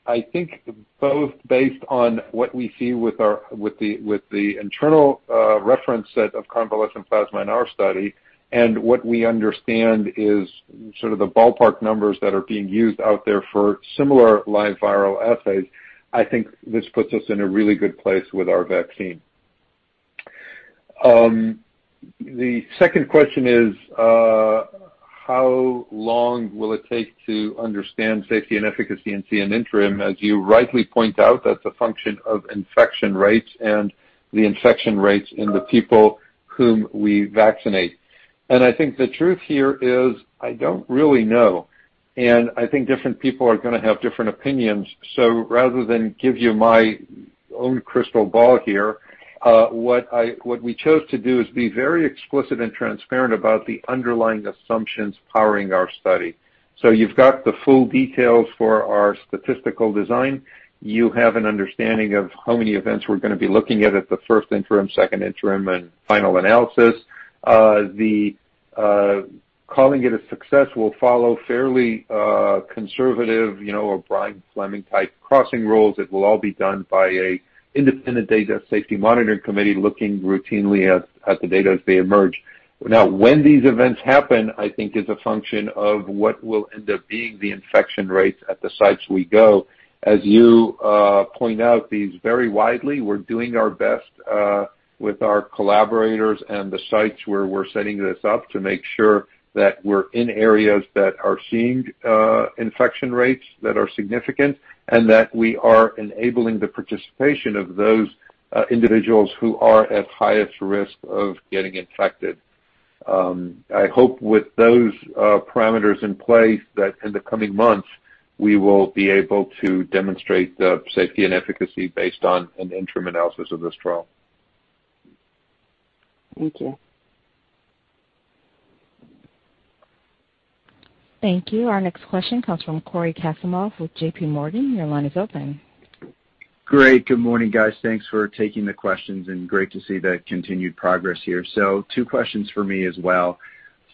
I think both based on what we see with the internal reference set of convalescent plasma in our study and what we understand is sort of the ballpark numbers that are being used out there for similar live viral assays. I think this puts us in a really good place with our vaccine. The second question is how long will it take to understand safety and efficacy and see an interim? As you rightly point out, that's a function of infection rates and the infection rates in the people whom we vaccinate. I think the truth here is I don't really know. I think different people are going to have different opinions. Rather than give you my own crystal ball here, what we chose to do is be very explicit and transparent about the underlying assumptions powering our study. You've got the full details for our statistical design. You have an understanding of how many events we're going to be looking at the first interim, second interim, and final analysis. Calling it a success will follow fairly conservative or O'Brien-Fleming type crossing rules. It will all be done by an independent data safety monitoring committee looking routinely at the data as they emerge. When these events happen, I think is a function of what will end up being the infection rates at the sites we go. As you point out, these vary widely. We're doing our best with our collaborators and the sites where we're setting this up to make sure that we're in areas that are seeing infection rates that are significant and that we are enabling the participation of those individuals who are at highest risk of getting infected. I hope with those parameters in place, that in the coming months, we will be able to demonstrate the safety and efficacy based on an interim analysis of this trial. Thank you. Thank you. Our next question comes from Cory Kasimov with JP Morgan. Your line is open. Great. Good morning, guys. Thanks for taking the questions. Great to see the continued progress here. Two questions for me as well.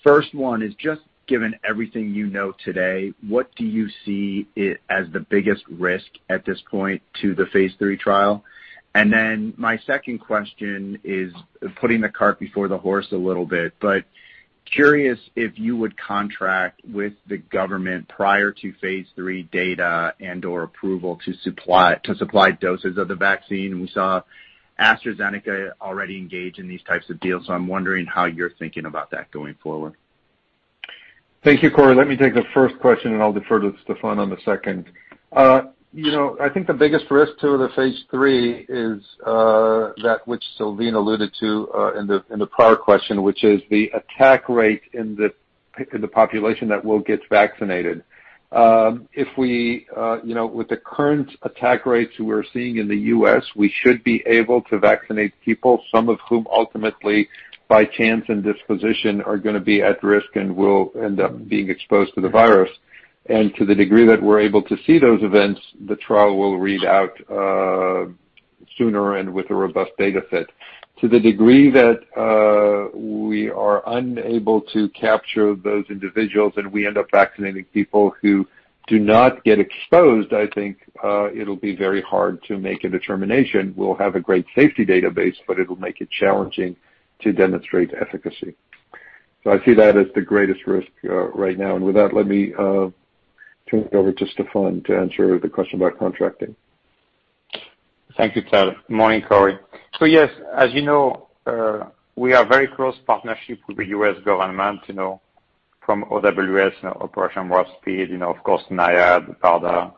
First one is just given everything you know today, what do you see as the biggest risk at this point to the phase III trial? My second question is putting the cart before the horse a little bit, curious if you would contract with the government prior to phase III data and/or approval to supply doses of the vaccine. We saw AstraZeneca already engage in these types of deals. I'm wondering how you're thinking about that going forward. Thank you, Cory. Let me take the first question. I'll defer to Stéphane on the second. I think the biggest risk to the phase III is that which Salveen alluded to in the prior question, which is the attack rate in the population that will get vaccinated. With the current attack rates we're seeing in the U.S., we should be able to vaccinate people, some of whom ultimately, by chance and disposition, are going to be at risk and will end up being exposed to the virus. To the degree that we're able to see those events, the trial will read out sooner and with a robust data set. To the degree that we are unable to capture those individuals, and we end up vaccinating people who do not get exposed, I think it'll be very hard to make a determination. We'll have a great safety database, but it'll make it challenging to demonstrate efficacy. I see that as the greatest risk right now. With that, let me turn it over to Stéphane to answer the question about contracting. Thank you, Ted. Morning, Cory. Yes, as you know, we are very close partnership with the U.S. government from OWS, Operation Warp Speed, of course, NIAID, BARDA,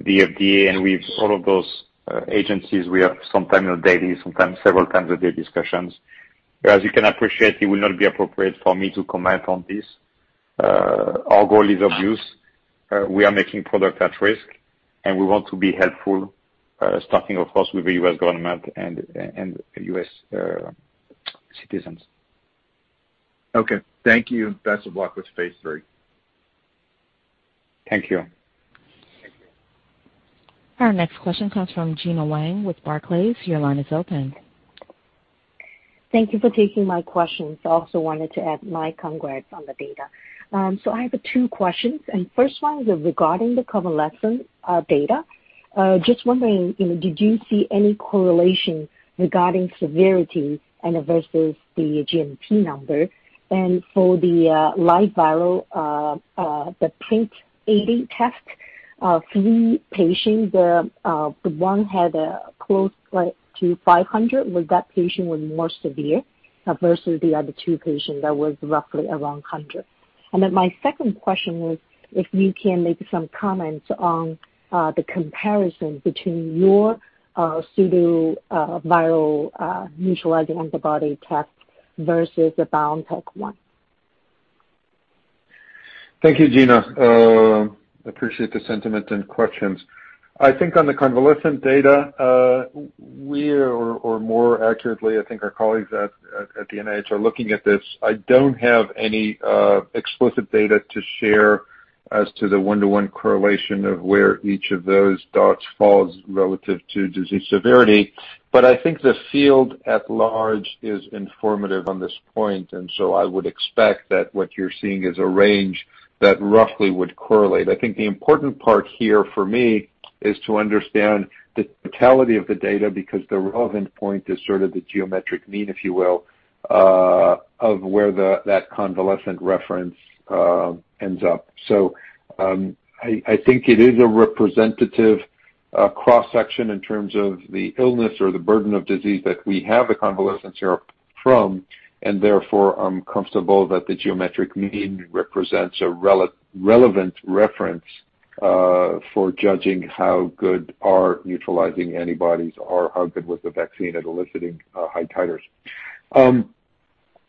the FDA, and with all of those agencies, we have sometimes daily, sometimes several times a day discussions. As you can appreciate, it will not be appropriate for me to comment on this. Our goal is use. We are making product at risk, and we want to be helpful, starting, of course, with the U.S. government and U.S. citizens. Okay. Thank you. Best of luck with phase III. Thank you. Thank you. Our next question comes from Gena Wang with Barclays. Your line is open. Thank you for taking my questions. I also wanted to add my congrats on the data. I have two questions. First one is regarding the convalescent data. Just wondering, did you see any correlation regarding severity and versus the GMT number? For the live viral, the PRNT80 test, three patients, one had close to 500. Was that patient more severe versus the other two patients that was roughly around 100? My second question was, if you can make some comments on the comparison between your pseudoviral neutralizing antibody test versus the BioNTech one. Thank you, Gena. Appreciate the sentiment and questions. I think on the convalescent data, we, or more accurately, I think our colleagues at the NIH are looking at this. I don't have any explicit data to share as to the one-to-one correlation of where each of those dots falls relative to disease severity. I think the field at large is informative on this point. I would expect that what you're seeing is a range that roughly would correlate. I think the important part here for me is to understand the totality of the data, because the relevant point is sort of the geometric mean, if you will, of where that convalescent reference ends up. I think it is a representative cross-section in terms of the illness or the burden of disease that we have the convalescents hear from, and therefore, I'm comfortable that the geometric mean represents a relevant reference for judging how good our neutralizing antibodies are, how good was the vaccine at eliciting high titers.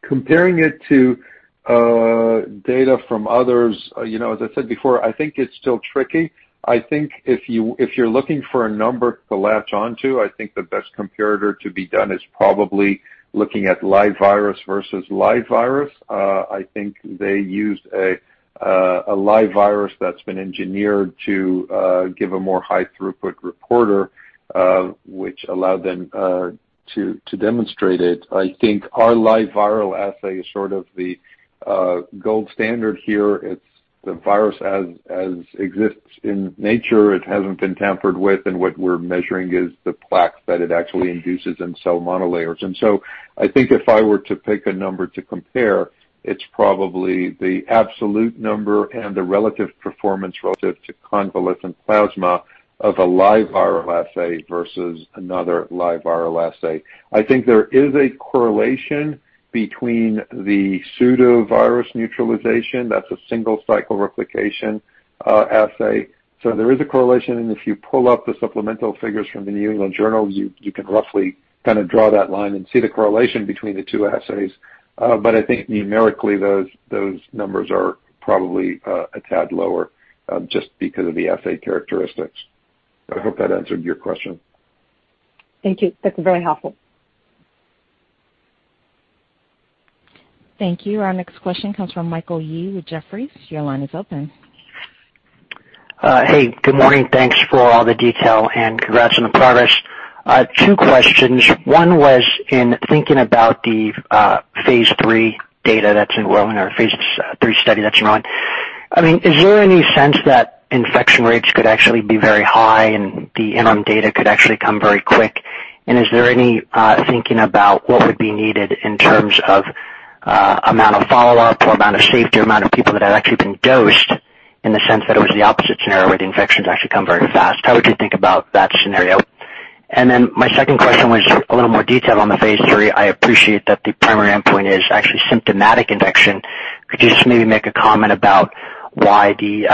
Comparing it to data from others, as I said before, I think it's still tricky. I think if you're looking for a number to latch onto, I think the best comparator to be done is probably looking at live virus versus live virus. I think they used a live virus that's been engineered to give a more high throughput reporter, which allowed them to demonstrate it. I think our live viral assay is sort of the gold standard here. It's the virus as exists in nature. It hasn't been tampered with, and what we're measuring is the plaque that it actually induces in cell monolayers. I think if I were to pick a number to compare, it's probably the absolute number and the relative performance relative to convalescent plasma of a live viral assay versus another live viral assay. I think there is a correlation between the pseudovirus neutralization, that's a single cycle replication assay. There is a correlation, and if you pull up the supplemental figures from the New England Journal, you can roughly kind of draw that line and see the correlation between the two assays. But I think numerically, those numbers are probably a tad lower just because of the assay characteristics. I hope that answered your question. Thank you. That's very helpful. Thank you. Our next question comes from Michael Yee with Jefferies. Your line is open. Hey, good morning. Thanks for all the detail, and congrats on the progress. Two questions. One was in thinking about the phase III data that's enrolling, or phase III study that's enrolling. Is there any sense that infection rates could actually be very high, and the interim data could actually come very quick? Is there any thinking about what would be needed in terms of amount of follow-up or amount of safety or amount of people that have actually been dosed in the sense that it was the opposite scenario where the infections actually come very fast? How would you think about that scenario? My second question was a little more detail on the phase III. I appreciate that the primary endpoint is actually symptomatic infection. Could you just maybe make a comment about why the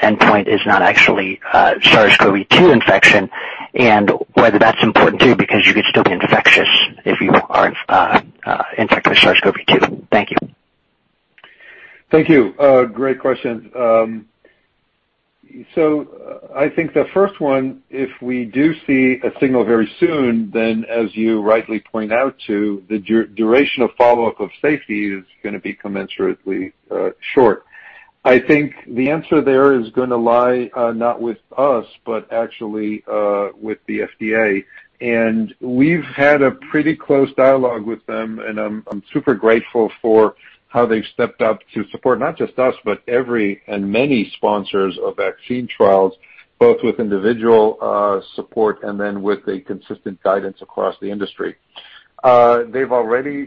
endpoint is not actually SARS-CoV-2 infection, and whether that's important too, because you could still be infectious if you aren't infected with SARS-CoV-2? Thank you. Thank you. Great questions. I think the first one, if we do see a signal very soon, then as you rightly point out too, the duration of follow-up of safety is going to be commensurately short. I think the answer there is going to lie not with us, but actually with the FDA. We've had a pretty close dialogue with them, and I'm super grateful for how they've stepped up to support not just us, but every and many sponsors of vaccine trials, both with individual support and then with a consistent guidance across the industry. We've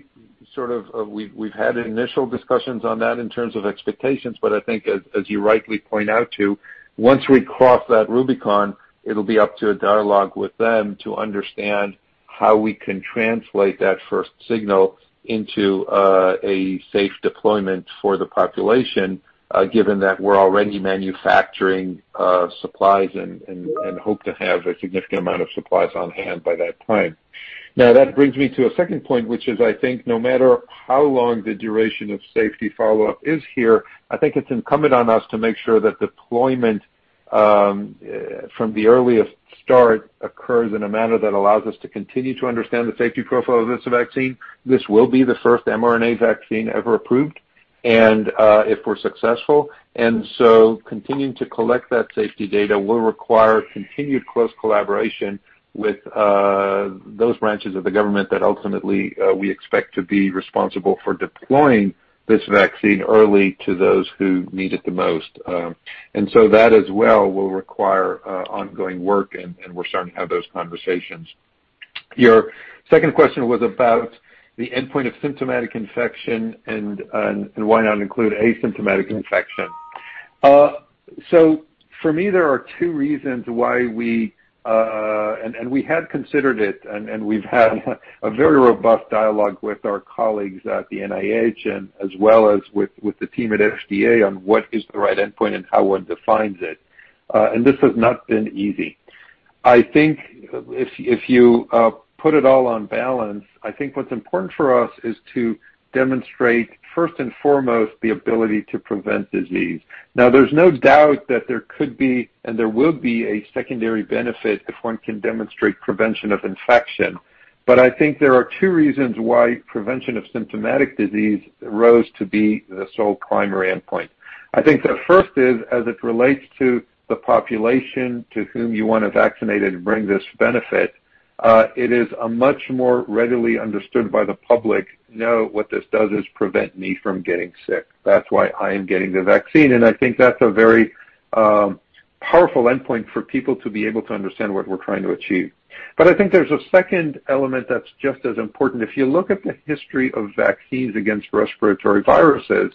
had initial discussions on that in terms of expectations, I think as you rightly point out too, once we cross that Rubicon, it'll be up to a dialogue with them to understand how we can translate that first signal into a safe deployment for the population, given that we're already manufacturing supplies and hope to have a significant amount of supplies on hand by that time. That brings me to a second point, which is, I think no matter how long the duration of safety follow-up is here, I think it's incumbent on us to make sure that deployment from the earliest start occurs in a manner that allows us to continue to understand the safety profile of this vaccine. This will be the first mRNA vaccine ever approved, if we're successful. Continuing to collect that safety data will require continued close collaboration with those branches of the Government that ultimately we expect to be responsible for deploying this vaccine early to those who need it the most. That as well will require ongoing work, and we're starting to have those conversations. Your second question was about the endpoint of symptomatic infection and why not include asymptomatic infection. For me, there are two reasons why we had considered it, and we've had a very robust dialogue with our colleagues at the NIH and as well as with the team at FDA on what is the right endpoint and how one defines it. This has not been easy. I think if you put it all on balance, I think what's important for us is to demonstrate, first and foremost, the ability to prevent disease. There's no doubt that there could be, and there will be a secondary benefit if one can demonstrate prevention of infection. I think there are two reasons why prevention of symptomatic disease rose to be the sole primary endpoint. I think the first is, as it relates to the population to whom you want to vaccinate and bring this benefit, it is a much more readily understood by the public, you know what this does is prevent me from getting sick. That's why I am getting the vaccine, and I think that's a very powerful endpoint for people to be able to understand what we're trying to achieve. I think there's a second element that's just as important. If you look at the history of vaccines against respiratory viruses,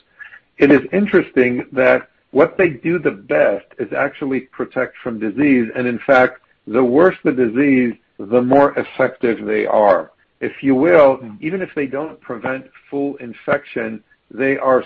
it is interesting that what they do the best is actually protect from disease, and in fact, the worse the disease, the more effective they are. If you will, even if they don't prevent full infection, they can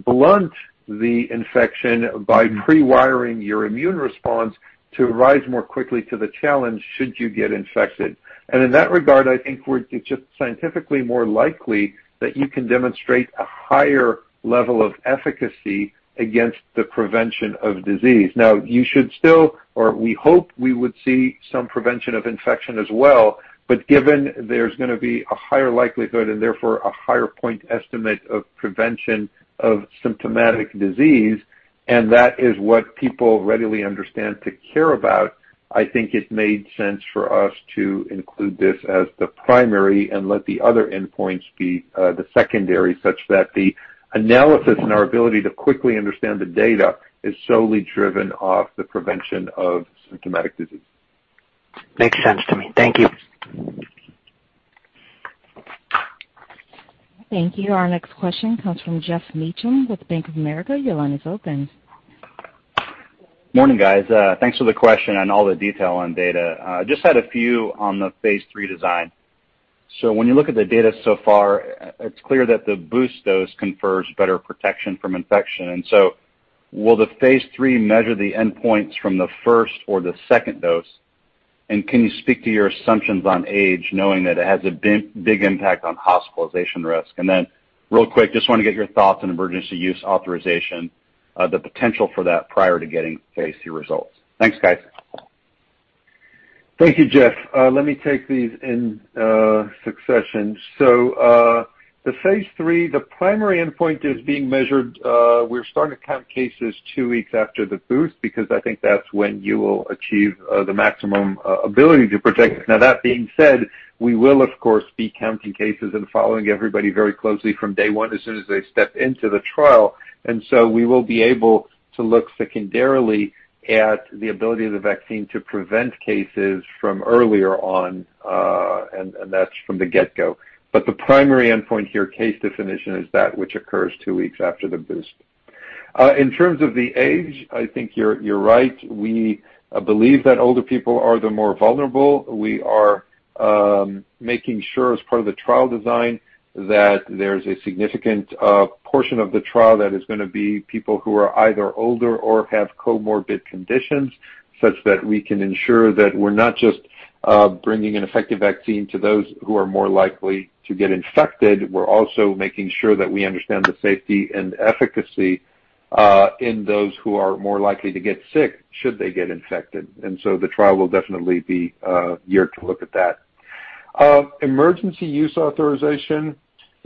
blunt the infection by pre-wiring your immune response to rise more quickly to the challenge should you get infected. In that regard, I think it's just scientifically more likely that you can demonstrate a higher level of efficacy against the prevention of disease. You should still or we hope we would see some prevention of infection as well, but given there's going to be a higher likelihood and therefore a higher point estimate of prevention of symptomatic disease, and that is what people readily understand to care about, I think it made sense for us to include this as the primary and let the other endpoints be the secondary, such that the analysis and our ability to quickly understand the data is solely driven off the prevention of symptomatic disease. Makes sense to me. Thank you. Thank you. Our next question comes from Geoff Meacham with Bank of America. Your line is open. Morning, guys. Thanks for the question and all the detail on data. Just had a few on the phase III design. When you look at the data so far, it's clear that the boost dose confers better protection from infection. Will the phase III measure the endpoints from the first or the second dose? Can you speak to your assumptions on age, knowing that it has a big impact on hospitalization risk? Real quick, just want to get your thoughts on emergency use authorization, the potential for that prior to getting phase III results. Thanks, guys. Thank you, Geoff. Let me take these in succession. The phase III, the primary endpoint is being measured. We're starting to count cases two weeks after the boost, because I think that's when you will achieve the maximum ability to protect. Now, that being said, we will, of course, be counting cases and following everybody very closely from day one, as soon as they step into the trial. We will be able to look secondarily at the ability of the vaccine to prevent cases from earlier on, and that's from the get-go. The primary endpoint here, case definition, is that which occurs two weeks after the boost. In terms of the age, I think you're right. We believe that older people are the more vulnerable. We are making sure as part of the trial design, that there's a significant portion of the trial that is going to be people who are either older or have comorbid conditions, such that we can ensure that we're not just bringing an effective vaccine to those who are more likely to get infected. We're also making sure that we understand the safety and efficacy, in those who are more likely to get sick, should they get infected. The trial will definitely be geared to look at that. Emergency use authorization.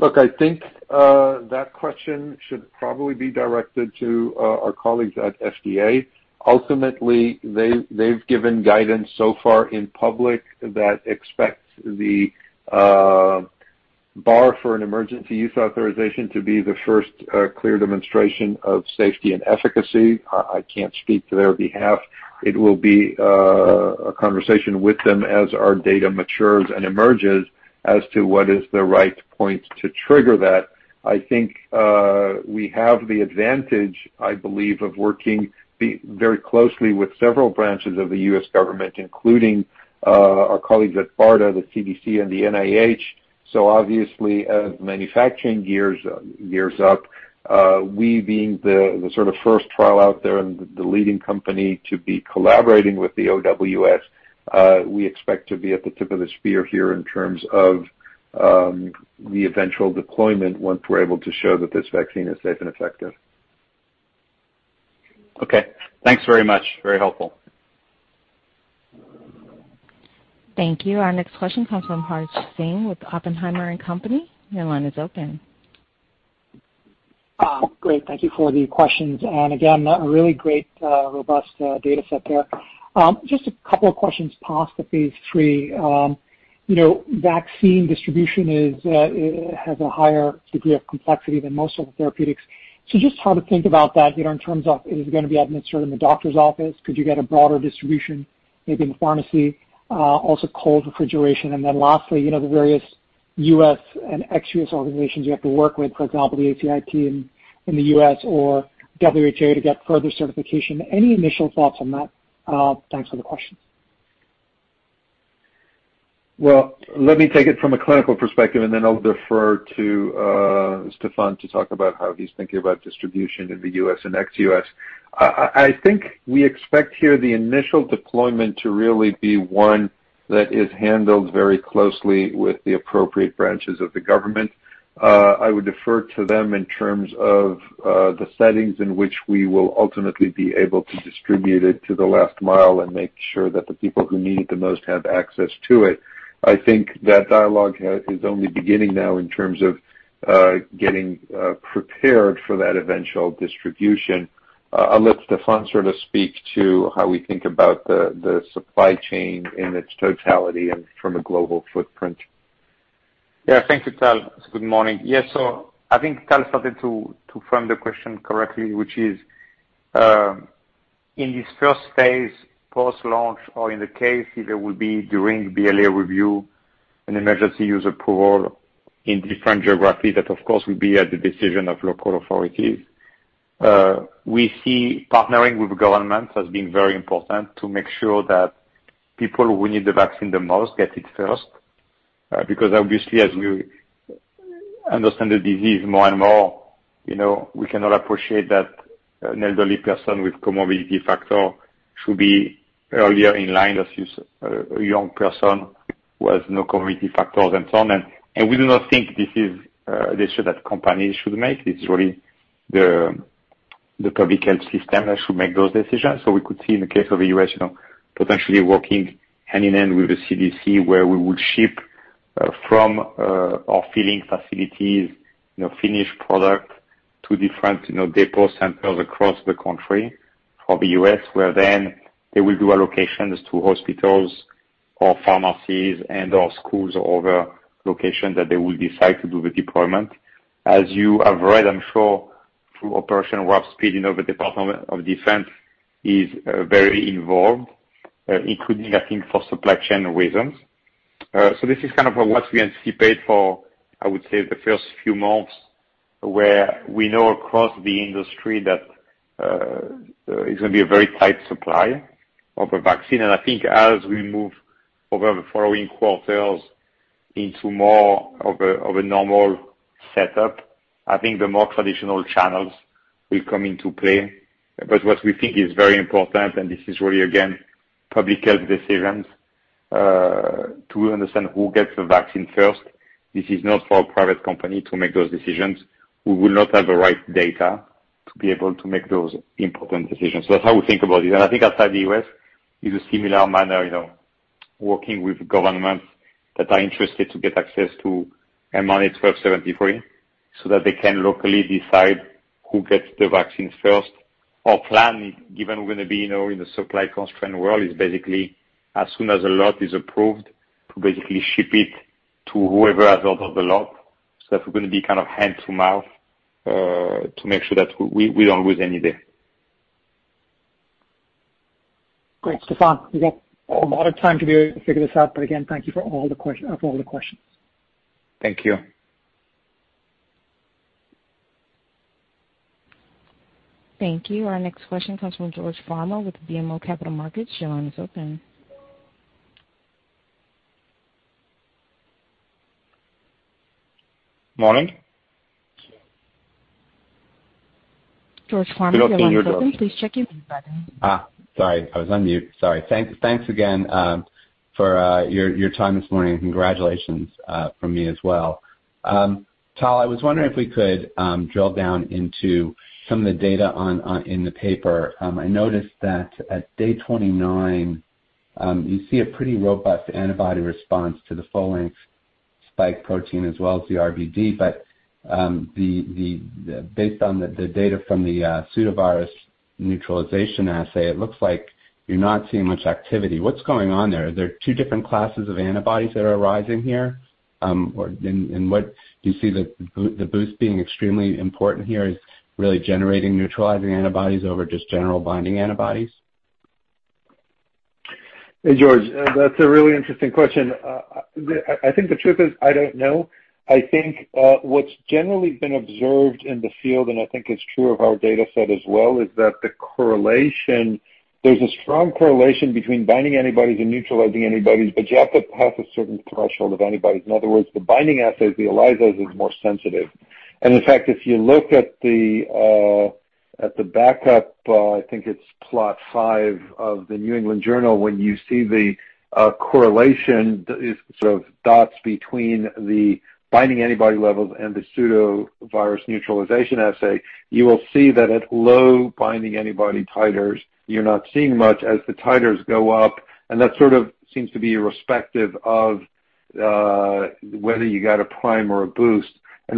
Look, I think that question should probably be directed to our colleagues at FDA. Ultimately, they've given guidance so far in public that expects the bar for an emergency use authorization to be the first clear demonstration of safety and efficacy. I can't speak to their behalf. It will be a conversation with them as our data matures and emerges as to what is the right point to trigger that. I think we have the advantage, I believe, of working very closely with several branches of the U.S. government, including our colleagues at BARDA, the CDC, and the NIH. Obviously, as manufacturing gears up, we being the sort of first trial out there and the leading company to be collaborating with the OWS, we expect to be at the tip of the spear here in terms of the eventual deployment once we're able to show that this vaccine is safe and effective. Okay. Thanks very much. Very helpful. Thank you. Our next question comes from Harsh Singh with Oppenheimer & Co. Inc. Your line is open. Great. Thank you for the questions. Again, a really great, robust data set there. Just a couple of questions, past the phase III. Vaccine distribution has a higher degree of complexity than most other therapeutics. Just how to think about that in terms of is it going to be administered in the doctor's office? Could you get a broader distribution, maybe in the pharmacy? Also cold refrigeration, and then lastly, the various U.S. and ex-U.S. organizations you have to work with, for example, the ACIP in the U.S. or WHO to get further certification. Any initial thoughts on that? Thanks for the questions. Let me take it from a clinical perspective, and then I'll defer to Stéphane to talk about how he's thinking about distribution in the U.S. and ex-U.S. I think we expect here the initial deployment to really be one that is handled very closely with the appropriate branches of the government. I would defer to them in terms of the settings in which we will ultimately be able to distribute it to the last mile and make sure that the people who need it the most have access to it. I think that dialogue is only beginning now in terms of getting prepared for that eventual distribution. I'll let Stéphane sort of speak to how we think about the supply chain in its totality and from a global footprint. Thank you, Tal. Good morning. I think Tal started to frame the question correctly, which is, in this first phase, post-launch, or in the case if it will be during the BLA review and emergency use approval in different geographies, that of course will be at the decision of local authorities. We see partnering with governments as being very important to make sure that people who need the vaccine the most get it first. Obviously, as you understand the disease more and more, we cannot appreciate that an elderly person with comorbidity factor should be earlier in line as a young person who has no comorbidity factors and so on. We do not think this is a decision that companies should make. It's really the public health system that should make those decisions. We could see in the case of the U.S., potentially working hand-in-hand with the CDC, where we would ship from our filling facilities, finished product to different depot centers across the country for the U.S., where then they will do allocations to hospitals or pharmacies and/or schools or other locations that they will decide to do the deployment. As you have read, I'm sure, through Operation Warp Speed, the Department of Defense is very involved, including, I think, for supply chain reasons. This is kind of what we anticipate for, I would say, the first few months, where we know across the industry that it's going to be a very tight supply of a vaccine. I think as we move over the following quarters into more of a normal setup, the more traditional channels will come into play. What we think is very important, and this is really, again, public health decisions, to understand who gets the vaccine first. This is not for a private company to make those decisions. We will not have the right data to be able to make those important decisions. That's how we think about it. I think outside the U.S., is a similar manner, working with governments that are interested to get access to mRNA-1273 so that they can locally decide who gets the vaccines first. Our plan, given we're going to be in a supply-constrained world, is basically as soon as a lot is approved, to basically ship it to whoever has ordered the lot. That we're going to be kind of hand to mouth, to make sure that we don't lose any there. Great, Stéphane. You've got a lot of time to be able to figure this out, but again, thank you for all of the questions. Thank you. Thank you. Our next question comes from George Farmer with BMO Capital Markets. Your line is open. Morning. George Farmer- Good morning, George. your line is open. Please check your mute button. Sorry, I was on mute. Sorry. Thanks again, for your time this morning, and congratulations, from me as well. Tal, I was wondering if we could, drill down into some of the data in the paper. I noticed that at day 29, you see a pretty robust antibody response to the full-length spike protein as well as the RBD. Based on the data from the pseudovirus neutralization assay, it looks like you're not seeing much activity. What's going on there? Are there two different classes of antibodies that are arising here? What do you see the boost being extremely important here is really generating neutralizing antibodies over just general binding antibodies? Hey, George. That's a really interesting question. I think the truth is, I don't know. I think what's generally been observed in the field, and I think it's true of our data set as well, is that there's a strong correlation between binding antibodies and neutralizing antibodies, but you have to pass a certain threshold of antibodies. In other words, the binding assays, the ELISAs, is more sensitive. In fact, if you look at the backup, I think it's plot five of the New England Journal, when you see the correlation sort of dots between the binding antibody levels and the pseudovirus neutralization assay, you will see that at low binding antibody titers, you're not seeing much as the titers go up, and that sort of seems to be irrespective of whether you got a prime or a boost.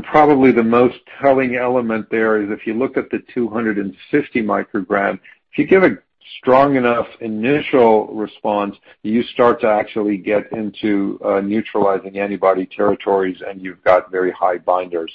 Probably the most telling element there is if you look at the 250 microgram, if you give a strong enough initial response, you start to actually get into neutralizing antibody territories, and you've got very high binders.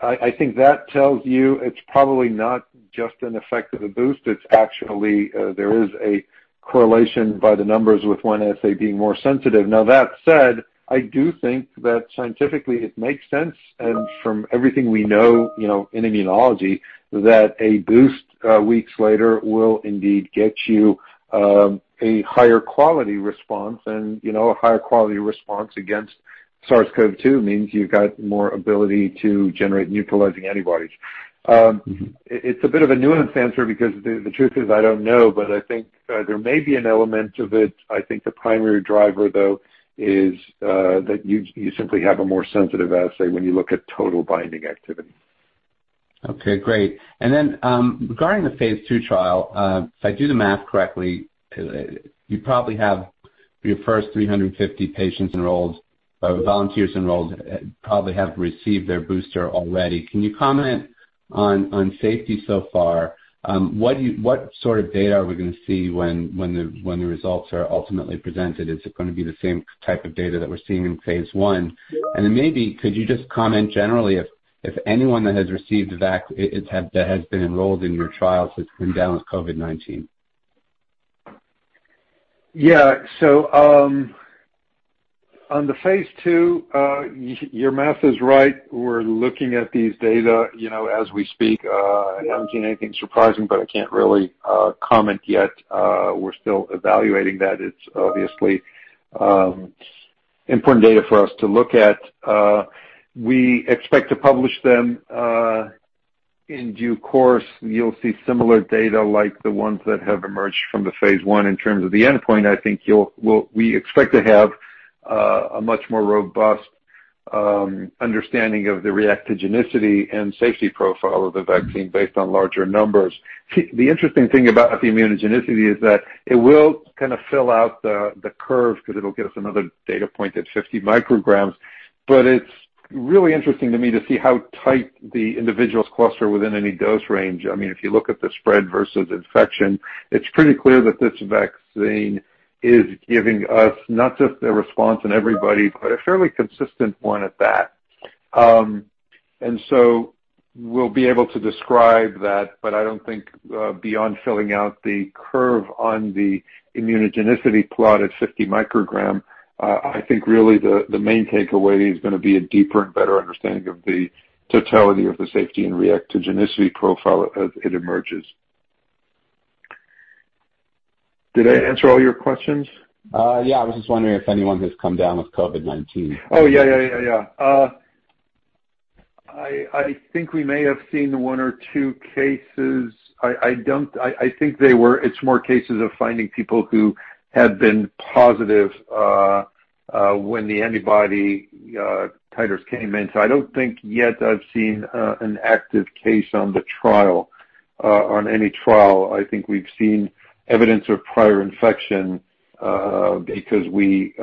I think that tells you it's probably not just an effect of the boost. It's actually, there is a correlation by the numbers with one assay being more sensitive. That said, I do think that scientifically it makes sense, and from everything we know in immunology, that a boost weeks later will indeed get you a higher quality response. A higher quality response against SARS-CoV-2 means you've got more ability to generate neutralizing antibodies. It's a bit of a nuanced answer because the truth is, I don't know, but I think there may be an element of it. I think the primary driver, though, is that you simply have a more sensitive assay when you look at total binding activity. Okay, great. Regarding the phase II trial, if I do the math correctly, you probably have your first 350 patients enrolled, or volunteers enrolled, probably have received their booster already. Can you comment on safety so far? What sort of data are we going to see when the results are ultimately presented? Is it going to be the same type of data that we're seeing in phase I? Maybe could you just comment generally if anyone that has received that has been enrolled in your trials has come down with COVID-19? On the phase II, your math is right. We're looking at these data as we speak. I haven't seen anything surprising, but I can't really comment yet. We're still evaluating that. It's obviously important data for us to look at. We expect to publish them. In due course, you'll see similar data like the ones that have emerged from the phase I. In terms of the endpoint, I think we expect to have a much more robust understanding of the reactogenicity and safety profile of the vaccine based on larger numbers. The interesting thing about the immunogenicity is that it will kind of fill out the curve because it'll give us another data point at 50 micrograms. It's really interesting to me to see how tight the individuals cluster within any dose range. If you look at the spread versus infection, it's pretty clear that this vaccine is giving us not just a response in everybody, but a fairly consistent one at that. We'll be able to describe that, but I don't think beyond filling out the curve on the immunogenicity plot at 50 microgram. I think really the main takeaway is going to be a deeper and better understanding of the totality of the safety and reactogenicity profile as it emerges. Did I answer all your questions? Yeah. I was just wondering if anyone has come down with COVID-19. Oh, yeah. I think we may have seen one or two cases. I think it's more cases of finding people who have been positive when the antibody titers came in. I don't think yet I've seen an active case on any trial. I think we've seen evidence of prior infection, because we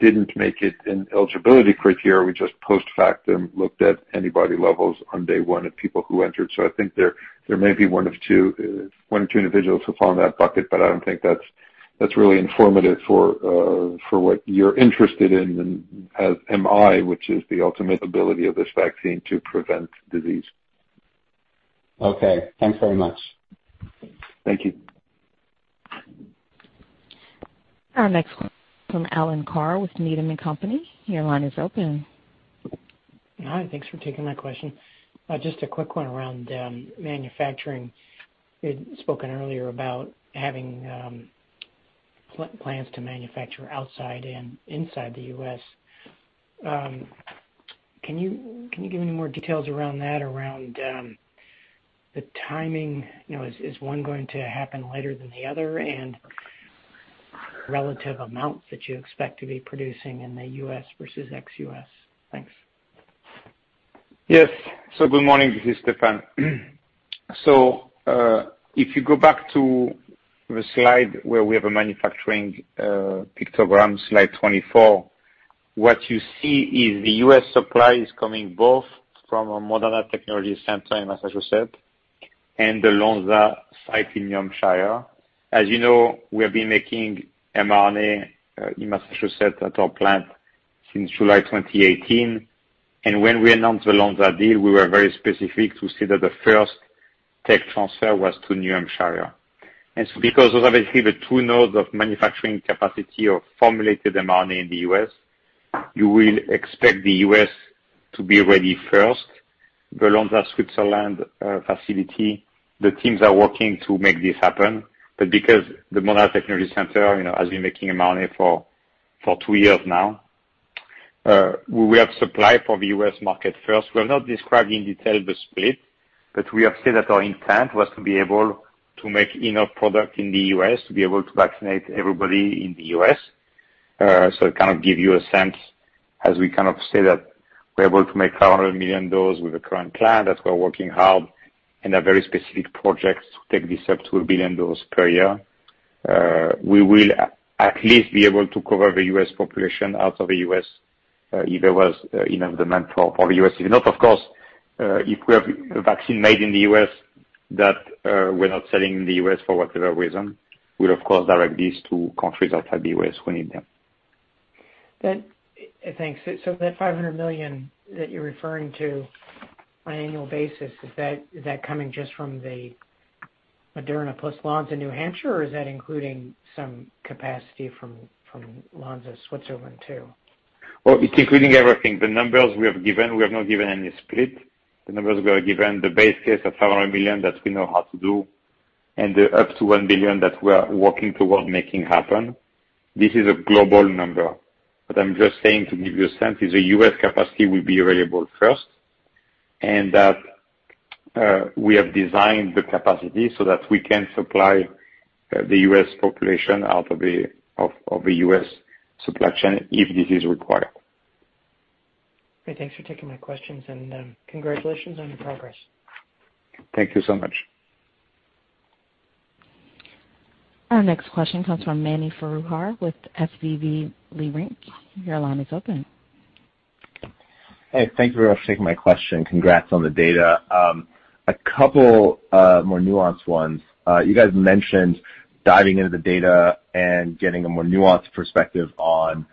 didn't make it an eligibility criteria. We just post-factum looked at antibody levels on day one of people who entered. I think there may be one or two individuals who fall in that bucket, but I don't think that's really informative for what you're interested in, and as am I, which is the ultimate ability of this vaccine to prevent disease. Okay. Thanks very much. Thank you. Our next from Alan Carr with Needham & Company. Your line is open. Hi. Thanks for taking my question. Just a quick one around manufacturing. You had spoken earlier about having plans to manufacture outside and inside the U.S. Can you give any more details around that, around the timing? Is one going to happen later than the other? Relative amounts that you expect to be producing in the U.S. versus ex-U.S.? Thanks. Yes. Good morning. This is Stéphane. If you go back to the slide where we have a manufacturing pictogram, slide 24, what you see is the U.S. supply is coming both from our Moderna Technology Center in Massachusetts and the Lonza site in New Hampshire. As you know, we have been making mRNA in Massachusetts at our plant since July 2018. When we announced the Lonza deal, we were very specific to say that the first tech transfer was to New Hampshire. Because those are basically the two nodes of manufacturing capacity of formulated mRNA in the U.S., you will expect the U.S. to be ready first. The Lonza Switzerland facility, the teams are working to make this happen. Because the Moderna Technology Center has been making mRNA for two years now, we have supply for the U.S. market first. We have not described in detail the split, but we have said that our intent was to be able to make enough product in the U.S. to be able to vaccinate everybody in the U.S. It kind of give you a sense as we say that we're able to make $500 million doses with the current plan, that we're working hard in a very specific project to take this up to $1 billion doses per year. We will at least be able to cover the U.S. population out of the U.S., if there was enough demand for the U.S. If not, of course, if we have a vaccine made in the U.S. that we're not selling in the U.S. for whatever reason, we'll of course direct these to countries outside the U.S. who need them. Thanks. That $500 million that you're referring to on an annual basis, is that coming just from the Moderna plus Lonza, New Hampshire or is that including some capacity from Lonza Switzerland too? Well, it's including everything. The numbers we have given, we have not given any split. The numbers we have given, the base case of $500 million, that we know how to do, and the up to $1 billion that we are working towards making happen. This is a global number. I'm just saying, to give you a sense, is the U.S. capacity will be available first, and that we have designed the capacity so that we can supply the U.S. population out of the U.S. supply chain if this is required. Okay. Thanks for taking my questions and congratulations on your progress. Thank you so much. Our next question comes from Mani Foroohar with SVB Leerink. Your line is open. Hey, thank you very much for taking my question. Congrats on the data. A couple more nuanced ones. You guys mentioned diving into the data and getting a more nuanced perspective on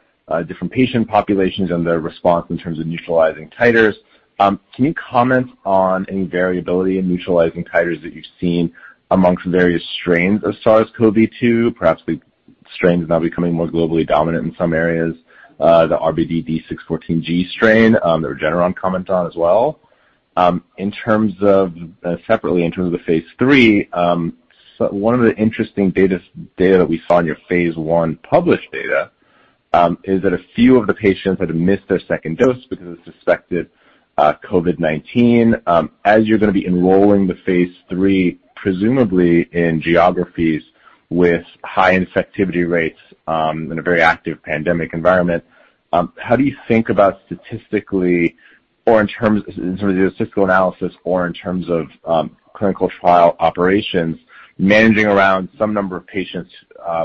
different patient populations and their response in terms of neutralizing titers. Can you comment on any variability in neutralizing titers that you've seen amongst various strains of SARS-CoV-2? Perhaps the strain is now becoming more globally dominant in some areas. The RBD D614G strain that Regeneron commented on as well. Separately, in terms of the phase III, one of the interesting data that we saw in your phase I published data, is that a few of the patients had missed their second dose because of suspected COVID-19. As you're going to be enrolling the phase III, presumably in geographies with high infectivity rates, in a very active pandemic environment, how do you think about statistically or in terms of the statistical analysis or in terms of clinical trial operations, managing around some number of patients,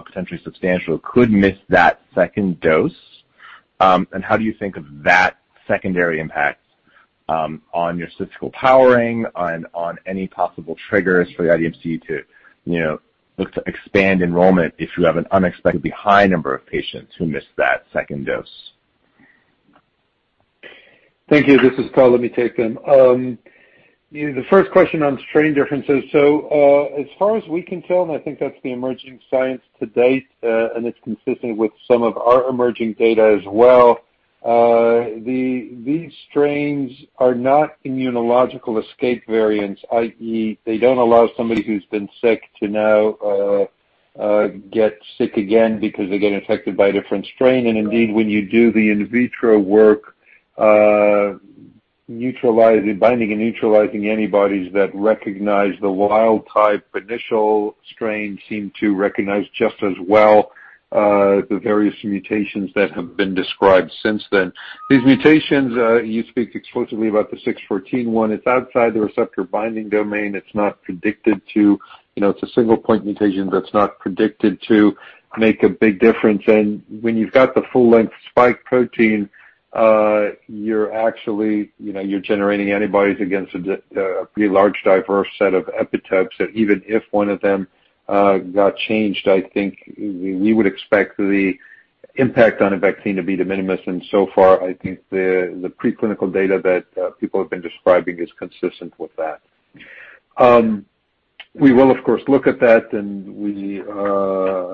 potentially substantial, could miss that second dose? How do you think of that secondary impact on your statistical powering, on any possible triggers for the IDMC to look to expand enrollment if you have an unexpectedly high number of patients who miss that second dose? Thank you. This is Tal. Let me take them. The first question on strain differences. As far as we can tell, I think that's the emerging science to date. It's consistent with some of our emerging data as well. These strains are not immunological escape variants, i.e., they don't allow somebody who's been sick to now get sick again because they get infected by a different strain. Indeed, when you do the in vitro work, binding and neutralizing antibodies that recognize the wild type initial strain seem to recognize just as well the various mutations that have been described since then. These mutations, you speak explicitly about the D614G one. It's outside the receptor binding domain. It's a single point mutation that's not predicted to make a big difference. When you've got the full-length spike protein, you're generating antibodies against a pretty large, diverse set of epitopes that even if one of them got changed, I think we would expect the impact on a vaccine to be de minimis. So far, I think the preclinical data that people have been describing is consistent with that. We will, of course, look at that, and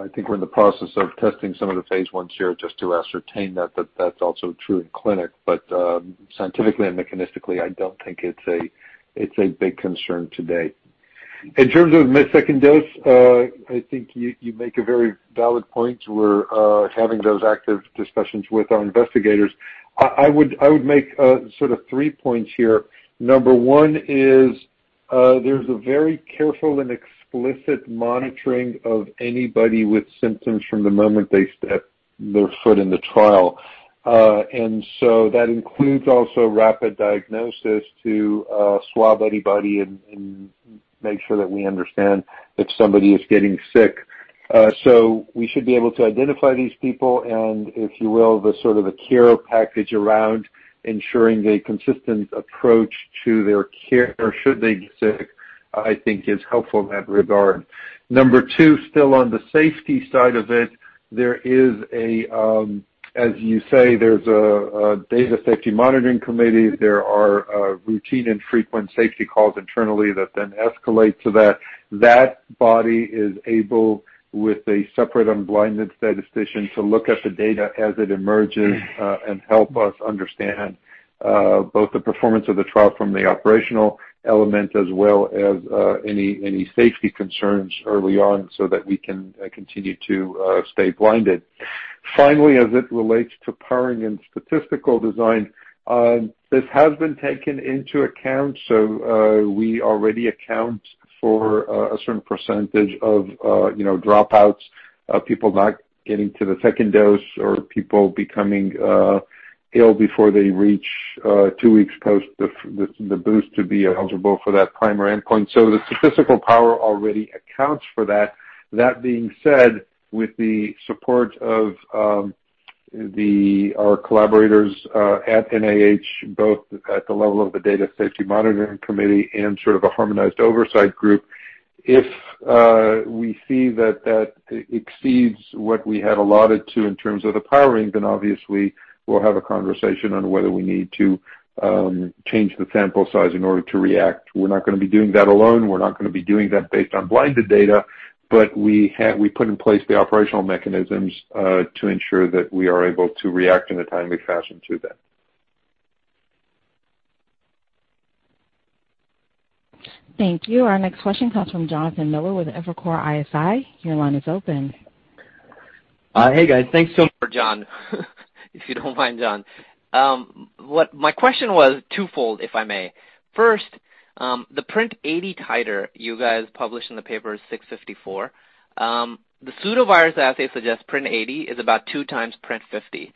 I think we're in the process of testing some of the phase I share just to ascertain that that's also true in clinic. Scientifically and mechanistically, I don't think it's a big concern today. In terms of missed second dose, I think you make a very valid point. We're having those active discussions with our investigators. I would make three points here. Number one is there's a very careful and explicit monitoring of anybody with symptoms from the moment they step their foot in the trial. That includes also rapid diagnosis to swab anybody and make sure that we understand if somebody is getting sick. We should be able to identify these people, and if you will, the sort of a care package around ensuring a consistent approach to their care should they get sick, I think is helpful in that regard. Number two, still on the safety side of it, as you say, there's a data safety monitoring committee. There are routine and frequent safety calls internally that then escalate to that. That body is able, with a separate unblinded statistician, to look at the data as it emerges and help us understand both the performance of the trial from the operational element, as well as any safety concerns early on so that we can continue to stay blinded. Finally, as it relates to powering and statistical design, this has been taken into account. We already account for a certain percentage of dropouts, people not getting to the second dose, or people becoming ill before they reach two weeks post the boost to be eligible for that primary endpoint. The statistical power already accounts for that. That being said, with the support of our collaborators at NIH, both at the level of the data safety monitoring committee and sort of a harmonized oversight group, if we see that that exceeds what we have allotted to in terms of the powering, then obviously we'll have a conversation on whether we need to change the sample size in order to react. We're not going to be doing that alone. We're not going to be doing that based on blinded data. We put in place the operational mechanisms to ensure that we are able to react in a timely fashion to that. Thank you. Our next question comes from Jonathan Miller with Evercore ISI. Your line is open. Hey, guys. Thanks so much, John, if you don't mind, John. My question was twofold, if I may. First, the PRNT80 titer you guys published in the paper is 654. The pseudovirus assay suggests PRNT80 is about two times PRNT50.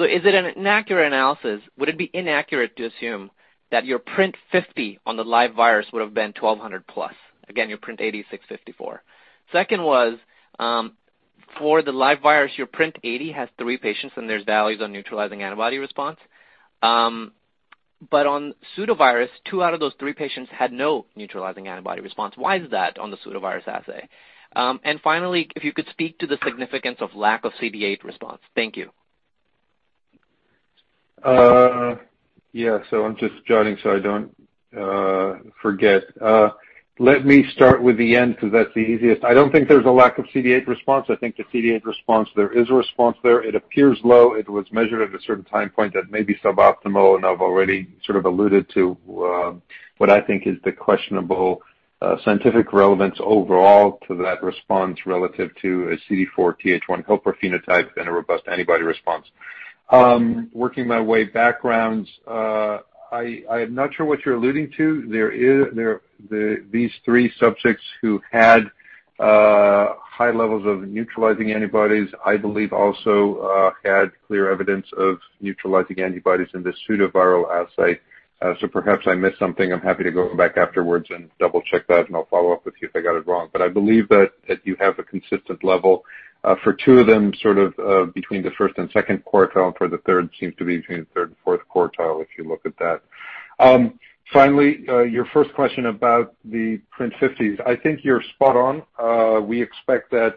Is it an inaccurate analysis? Would it be inaccurate to assume that your PRNT50 on the live virus would have been 1,200 plus? Again, your PRNT80 is 654. Second was, for the live virus, your PRNT80 has three patients, there's values on neutralizing antibody response. On pseudovirus, two out of those three patients had no neutralizing antibody response. Why is that on the pseudovirus assay? Finally, if you could speak to the significance of lack of CD8 response. Thank you. I'm just jotting so I don't forget. Let me start with the end because that's the easiest. I don't think there's a lack of CD8 response. I think the CD8 response, there is a response there. It appears low. It was measured at a certain time point that may be suboptimal, and I've already sort of alluded to what I think is the questionable scientific relevance overall to that response relative to a CD4 Th1 helper phenotype and a robust antibody response. Working my way backgrounds, I'm not sure what you're alluding to. These three subjects who had high levels of neutralizing antibodies, I believe, also had clear evidence of neutralizing antibodies in the pseudoviral assay. Perhaps I missed something. I'm happy to go back afterwards and double-check that, and I'll follow up with you if I got it wrong. I believe that you have a consistent level for two of them, sort of between the first and second quartile, and for the third seems to be between the third and fourth quartile, if you look at that. Finally, your first question about the PRNT50s. I think you're spot on. We expect that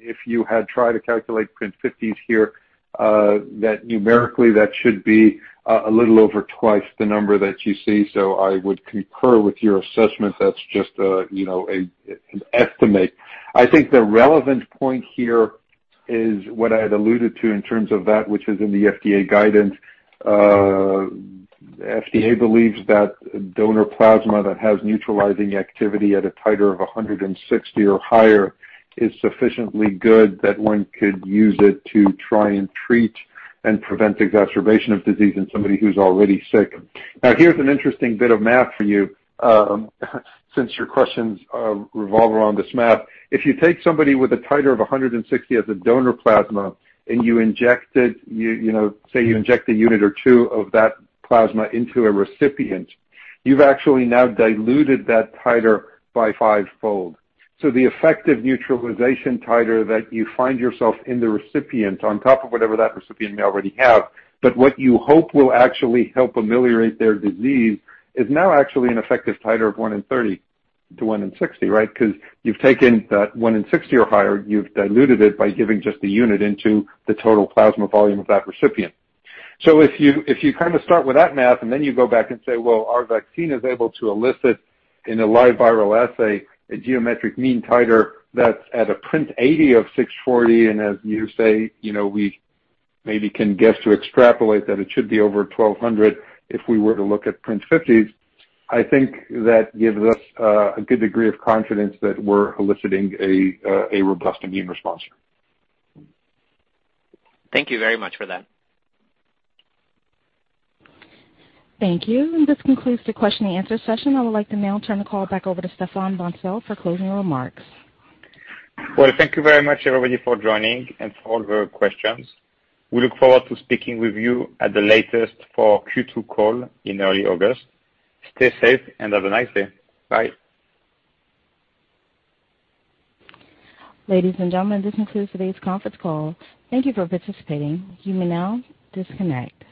if you had tried to calculate PRNT50s here, that numerically that should be a little over twice the number that you see. I would concur with your assessment. That's just an estimate. I think the relevant point here is what I had alluded to in terms of that which is in the FDA guidance. FDA believes that donor plasma that has neutralizing activity at a titer of 160 or higher is sufficiently good that one could use it to try and treat and prevent exacerbation of disease in somebody who's already sick. Here is an interesting bit of math for you, since your questions revolve around this math. If you take somebody with a titer of 160 as a donor plasma and say you inject a unit or two of that plasma into a recipient, you've actually now diluted that titer by five-fold. The effective neutralization titer that you find yourself in the recipient on top of whatever that recipient may already have, but what you hope will actually help ameliorate their disease is now actually an effective titer of one in 30 to one in 60. You've taken that one in 60 or higher, you've diluted it by giving just a unit into the total plasma volume of that recipient. If you start with that math, you go back and say, well, our vaccine is able to elicit in a live viral assay, a Geometric Mean Titer that's at a PRNT80 of 640, as you say, we maybe can guess to extrapolate that it should be over 1,200 if we were to look at PRNT50s, I think that gives us a good degree of confidence that we're eliciting a robust immune response. Thank you very much for that. Thank you. This concludes the question and answer session. I would like to now turn the call back over to Stéphane Bancel for closing remarks. Well, thank you very much, everybody, for joining and for all the questions. We look forward to speaking with you at the latest for Q2 call in early August. Stay safe and have a nice day. Bye Ladies and gentlemen, this concludes today's conference call. Thank you for participating. You may now disconnect.